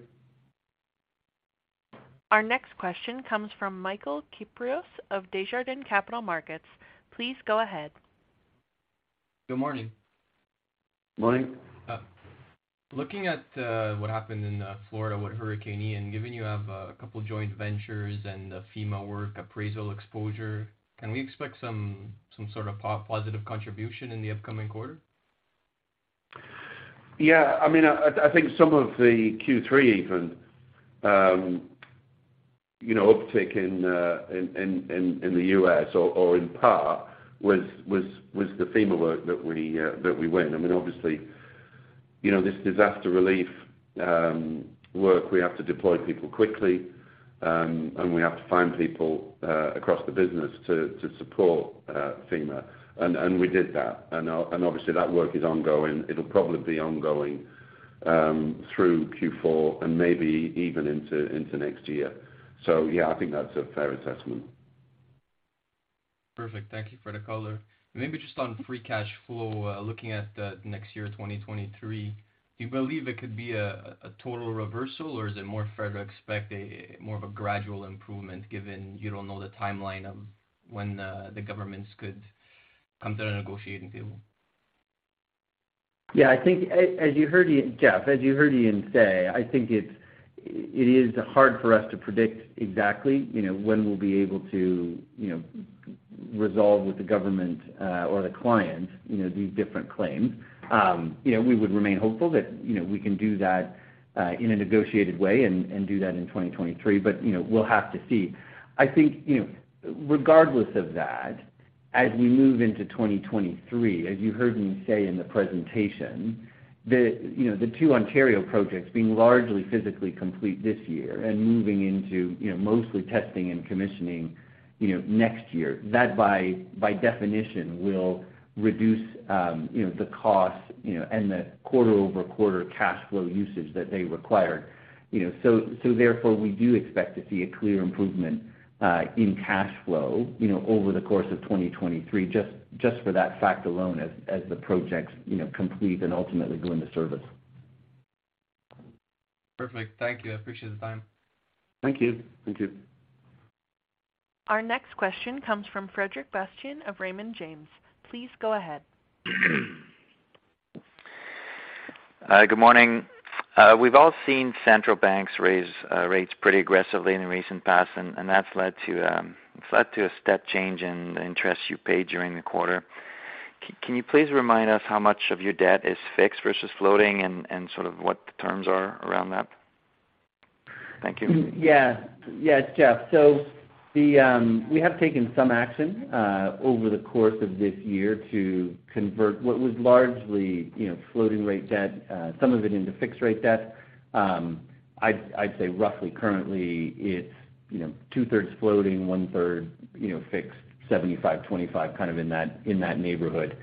Our next question comes from Benoit Poirier of Desjardins Capital Markets. Please go ahead. Good morning. Morning. Looking at what happened in Florida with Hurricane Ian, given you have a couple joint ventures and the FEMA work appraisal exposure, can we expect some sort of positive contribution in the upcoming quarter? Yeah, I mean, I think some of the Q3 even, you know, uptick in the U.S. or in part was the FEMA work that we won. I mean, obviously, you know, this disaster relief work, we have to deploy people quickly, and we have to find people across the business to support FEMA. We did that. Obviously that work is ongoing. It'll probably be ongoing through Q4 and maybe even into next year. Yeah, I think that's a fair assessment. Perfect. Thank you for the color. Maybe just on free cash flow, looking at the next year, 2023, do you believe it could be a total reversal, or is it more fair to expect a more of a gradual improvement given you don't know the timeline of when the governments could come to the negotiating table? Yeah. I think as you heard, Jeff, as you heard Ian say, I think it is hard for us to predict exactly, you know, when we'll be able to, you know, resolve with the government or the client, you know, these different claims. You know, we would remain hopeful that, you know, we can do that in a negotiated way and do that in 2023, but, you know, we'll have to see. I think, you know, regardless of that, as we move into 2023, as you heard me say in the presentation, you know, the two Ontario projects being largely physically complete this year and moving into, you know, mostly testing and commissioning, you know, next year. That by definition will reduce, you know, the costs, you know, and the quarter-over-quarter cash flow usage that they require. You know, so therefore, we do expect to see a clear improvement in cash flow, you know, over the course of 2023, just for that fact alone as the projects, you know, complete and ultimately go into service. Perfect. Thank you. I appreciate the time. Thank you. Thank you. Our next question comes from Frederic Bastien of Raymond James. Please go ahead. Good morning. We've all seen central banks raise rates pretty aggressively in the recent past, and that's led to a step change in the interest you paid during the quarter. Can you please remind us how much of your debt is fixed versus floating and sort of what the terms are around that? Thank you. Yes, Jeff. We have taken some action over the course of this year to convert what was largely, you know, floating rate debt, some of it into fixed rate debt. I'd say roughly currently it's, you know, two-thirds floating, one-third, you know, fixed, 75-25, kind of in that neighborhood.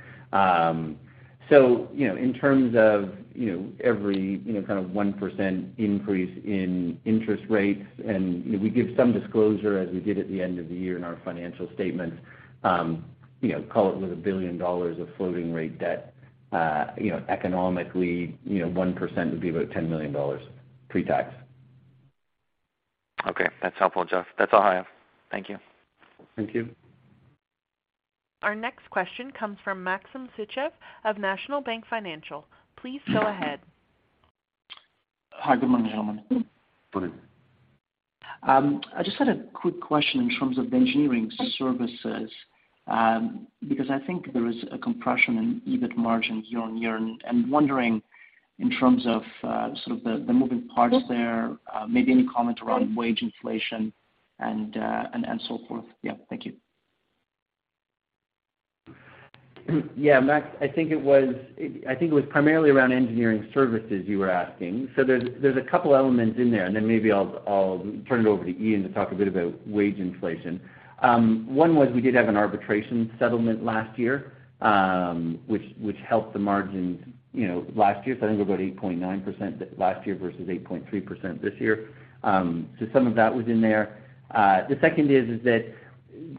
In terms of, you know, every, you know, kind of 1% increase in interest rates, we give some disclosure as we did at the end of the year in our financial statements. With 1 billion dollars of floating rate debt, you know, economically, you know, 1% would be about 10 million dollars pre-tax. Okay. That's helpful, Jeff. That's all I have. Thank you. Thank you. Our next question comes from Maxim Sytchev of National Bank Financial. Please go ahead. Hi. Good morning, gentlemen. Good morning. I just had a quick question in terms of the engineering services, because I think there is a compression in EBIT margins year-over-year. I'm wondering in terms of sort of the moving parts there, maybe any comment around wage inflation and so forth. Yeah, thank you. Yeah, Max, I think it was primarily around engineering services you were asking. There's a couple elements in there, and then maybe I'll turn it over to Ian to talk a bit about wage inflation. One was we did have an arbitration settlement last year, which helped the margins, you know, last year. I think about 8.9% last year versus 8.3% this year. Some of that was in there. The second is that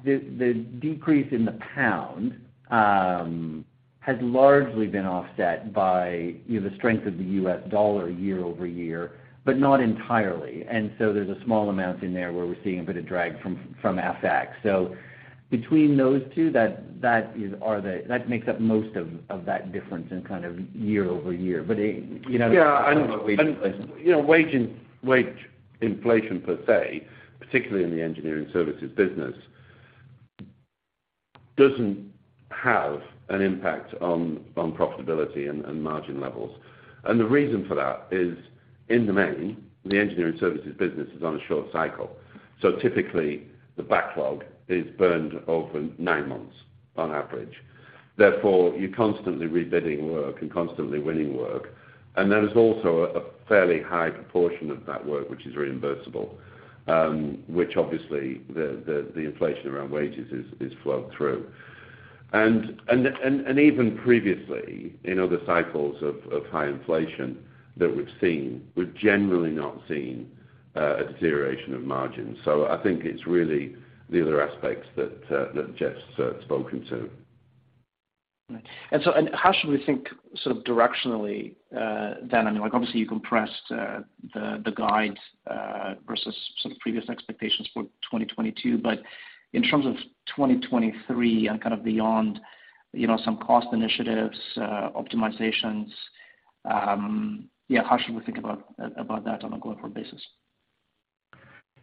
the decrease in the pound has largely been offset by, you know, the strength of the U.S. dollar year-over-year, but not entirely. There's a small amount in there where we're seeing a bit of drag from FX. Between those two, that makes up most of that difference in kind of year-over-year. It, you know Yeah. You know, wage inflation per se, particularly in the engineering services business, doesn't have an impact on profitability and margin levels. The reason for that is, in the main, the engineering services business is on a short cycle. Typically, the backlog is burned over nine months on average. Therefore, you're constantly rebidding work and constantly winning work. There is also a fairly high proportion of that work which is reimbursable, which obviously the inflation around wages is flowed through. Even previously in other cycles of high inflation that we've seen, we've generally not seen a deterioration of margins. I think it's really the other aspects that Jeff's spoken to. Right. How should we think sort of directionally, then? I mean, like, obviously, you compressed the guide versus some previous expectations for 2022. In terms of 2023 and kind of beyond, you know, some cost initiatives, optimizations, how should we think about that on a going-forward basis?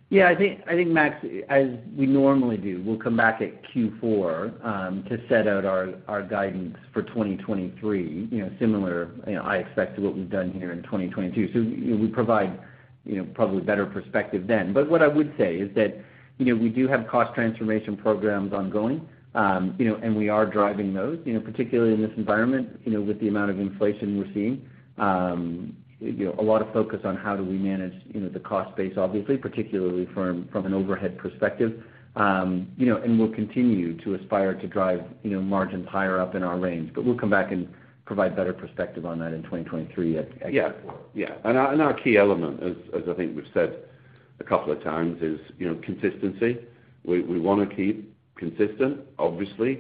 Yeah. I think, Max, as we normally do, we'll come back at Q4 to set out our guidance for 2023, you know, similar, you know, I expect to what we've done here in 2022. We provide, you know, probably better perspective then. What I would say is that, you know, we do have cost transformation programs ongoing. We are driving those, you know, particularly in this environment, you know, with the amount of inflation we're seeing. A lot of focus on how do we manage, you know, the cost base, obviously, particularly from an overhead perspective. We will continue to aspire to drive, you know, margins higher up in our range. We will come back and provide better perspective on that in 2023 at Q4. Yeah. Our key element as I think we've said a couple of times is, you know, consistency. We wanna keep consistent, obviously.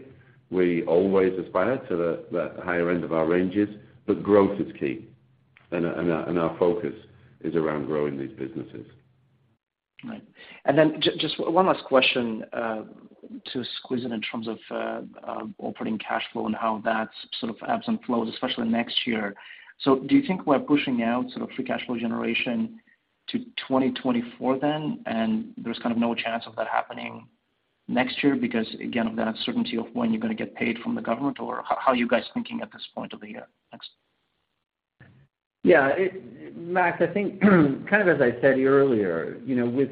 We always aspire to the higher end of our ranges, but growth is key, and our focus is around growing these businesses. Right. Just one last question to squeeze in in terms of operating cash flow and how that sort of ebbs and flows, especially next year. Do you think we're pushing out sort of free cash flow generation to 2024 then, and there's kind of no chance of that happening next year because, again, of that uncertainty of when you're gonna get paid from the government? Or how are you guys thinking at this point of the year? Thanks. Yeah. Maxim, I think, kind of as I said earlier, you know, with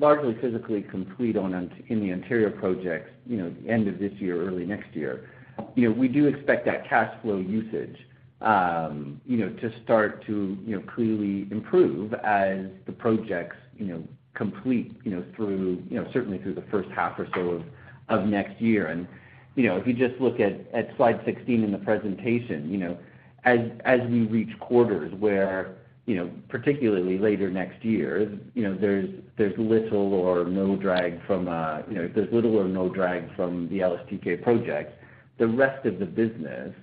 largely physically complete in the legacy projects, you know, end of this year, early next year. You know, we do expect that cash flow usage, you know, to start to, you know, clearly improve as the projects, you know, complete, you know, through, you know, certainly through the first half or so of next year. You know, if you just look at slide 16 in the presentation, you know, as we reach quarters where, you know, particularly later next year, you know, there's little or no drag from the LSTK projects. The rest of the business,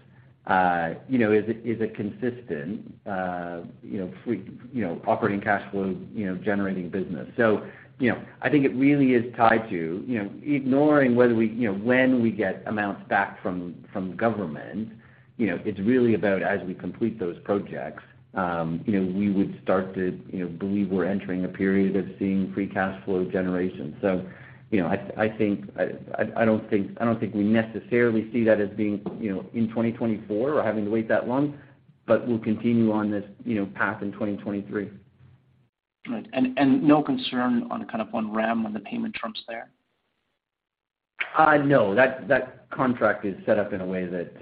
you know, is a consistent, you know, free operating cash flow, you know, generating business. You know, I think it really is tied to, you know, ignoring whether we, you know, when we get amounts back from government, you know, it's really about as we complete those projects, you know, we would start to, you know, believe we're entering a period of seeing free cash flow generation. You know, I don't think we necessarily see that as being, you know, in 2024 or having to wait that long, but we'll continue on this, you know, path in 2023. Right. No concern on kind of on REM, on the payment terms there? No, that contract is set up in a way that.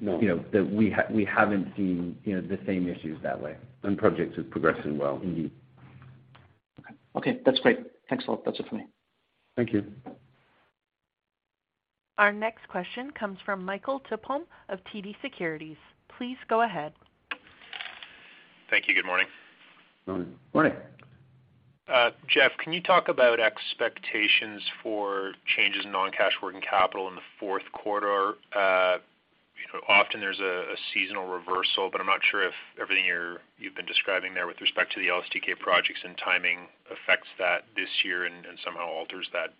No you know, that we haven't seen, you know, the same issues that way. Projects are progressing well indeed. Okay. Okay, that's great. Thanks a lot. That's it for me. Thank you. Our next question comes from Michael Tupholme of TD Securities. Please go ahead. Thank you. Good morning. Morning. Morning. Jeff, can you talk about expectations for changes in non-cash working capital in the fourth quarter? You know, often there's a seasonal reversal, but I'm not sure if everything you've been describing there with respect to the LSTK projects and timing affects that this year and somehow alters that.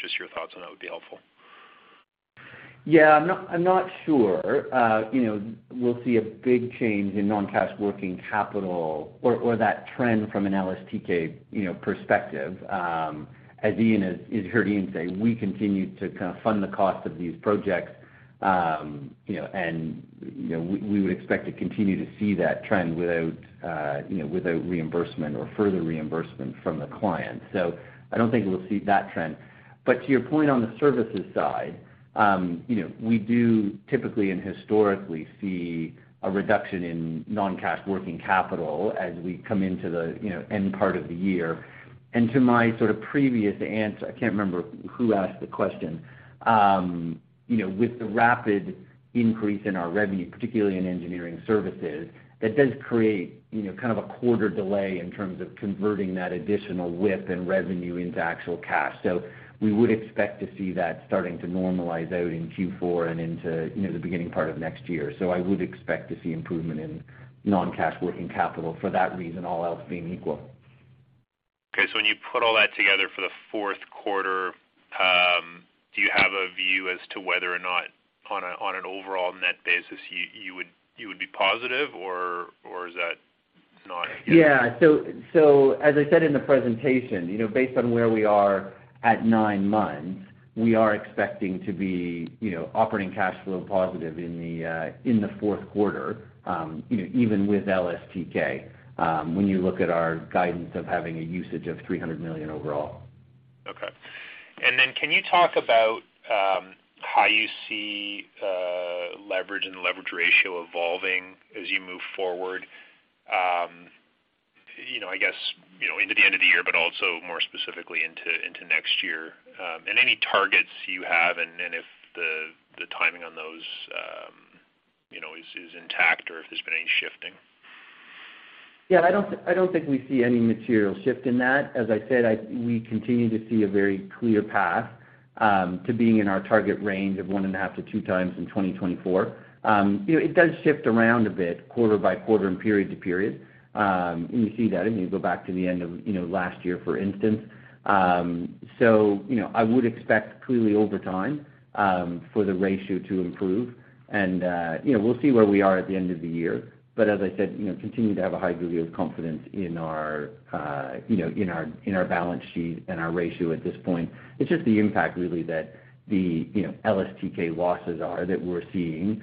Just your thoughts on that would be helpful. I'm not sure, you know, we'll see a big change in non-cash working capital or that trend from an LSTK, you know, perspective. As you heard Ian say, we continue to kind of fund the cost of these projects. You know, we would expect to continue to see that trend without, you know, without reimbursement or further reimbursement from the client. I don't think we'll see that trend. To your point on the services side, you know, we do typically and historically see a reduction in non-cash working capital as we come into the, you know, end part of the year. I can't remember who asked the question, you know, with the rapid increase in our revenue, particularly in engineering services, that does create, you know, kind of a quarter delay in terms of converting that additional revenue into actual cash. We would expect to see that starting to normalize out in Q4 and into, you know, the beginning part of next year. I would expect to see improvement in non-cash working capital for that reason, all else being equal. Okay. When you put all that together for the fourth quarter, do you have a view as to whether or not on an overall net basis you would be positive, or is that not? Yeah. As I said in the presentation, you know, based on where we are at nine months, we are expecting to be, you know, operating cash flow positive in the fourth quarter, you know, even with LSTK, when you look at our guidance of having a usage of 300 million overall. Okay. Then can you talk about how you see leverage and leverage ratio evolving as you move forward, you know, I guess, you know, into the end of the year, but also more specifically into next year? And any targets you have and if the timing on those. Is intact or if there's been any shifting? Yeah, I don't think we see any material shift in that. As I said, we continue to see a very clear path to being in our target range of 1.5-2 times in 2024. You know, it does shift around a bit quarter by quarter and period to period. You see that if you go back to the end of, you know, last year, for instance. You know, I would expect clearly over time for the ratio to improve and, you know, we'll see where we are at the end of the year. As I said, you know, continue to have a high degree of confidence in our, you know, in our balance sheet and our ratio at this point. It's just the impact really that the, you know, LSTK losses are that we're seeing,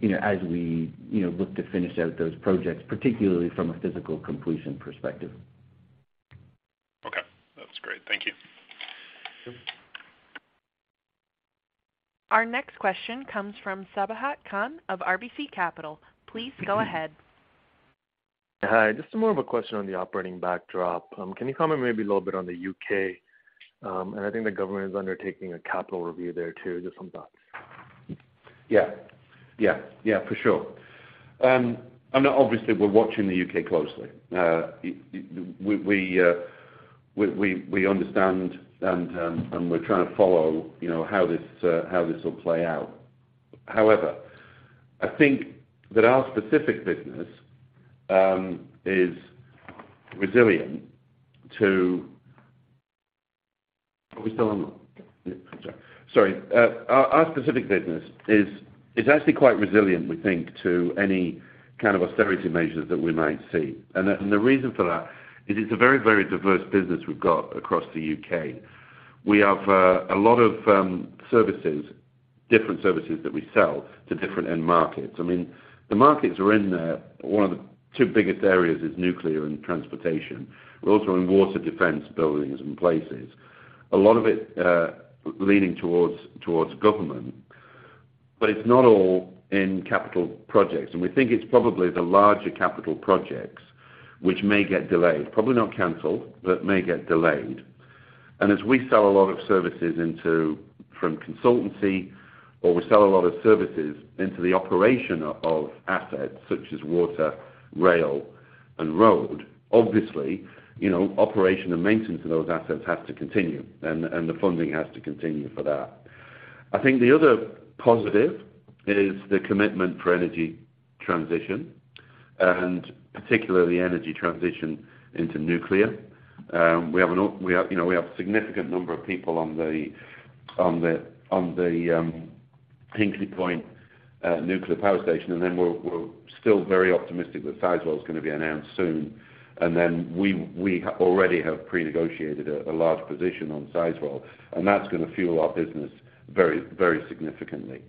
you know, as we, you know, look to finish out those projects, particularly from a physical completion perspective. Okay, that's great. Thank you. Our next question comes from Sabahat Khan of RBC Capital. Please go ahead. Hi. Just more of a question on the operating backdrop. Can you comment maybe a little bit on the U.K.? I think the government is undertaking a capital review there too, just some thoughts. Yeah. Yeah. Yeah, for sure. I mean, obviously we're watching the U.K. closely. We understand and we're trying to follow, you know, how this will play out. However, I think that our specific business is actually quite resilient, we think, to any kind of austerity measures that we might see. The reason for that is it's a very diverse business we've got across the U.K. We have a lot of different services that we sell to different end markets. I mean, the markets we're in, one of the two biggest areas is nuclear and transportation. We're also in water, defense, buildings, and places. A lot of it leaning towards government, but it's not all in capital projects. We think it's probably the larger capital projects which may get delayed, probably not canceled, but may get delayed. As we sell a lot of services into from consultancy, or we sell a lot of services into the operation of assets such as water, rail, and road, obviously, you know, operation and maintenance of those assets has to continue and the funding has to continue for that. I think the other positive is the commitment for energy transition, and particularly energy transition into nuclear. We have, you know, we have a significant number of people on the Hinkley Point nuclear power station, and then we're still very optimistic that Sizewell is gonna be announced soon. We already have pre-negotiated a large position on Sizewell, and that's gonna fuel our business very significantly.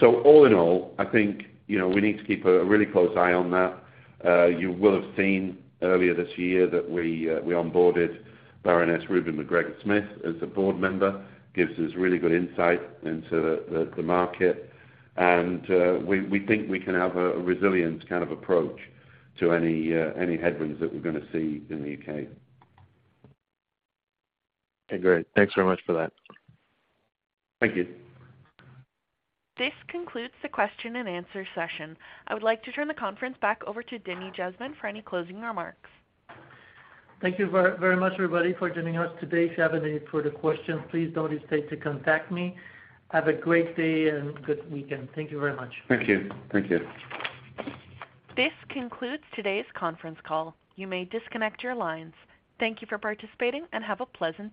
All in all, I think, you know, we need to keep a really close eye on that. You will have seen earlier this year that we onboarded Baroness Ruby McGregor-Smith as a board member. Gives us really good insight into the market. We think we can have a resilient kind of approach to any headwinds that we're gonna see in the U.K.. Okay, great. Thanks very much for that. Thank you. This concludes the question and answer session. I would like to turn the conference back over to Denis Jasmin for any closing remarks. Thank you very much, everybody, for joining us today. If you have any further questions, please don't hesitate to contact me. Have a great day and good weekend. Thank you very much. Thank you. Thank you. This concludes today's conference call. You may disconnect your lines. Thank you for participating and have a pleasant day.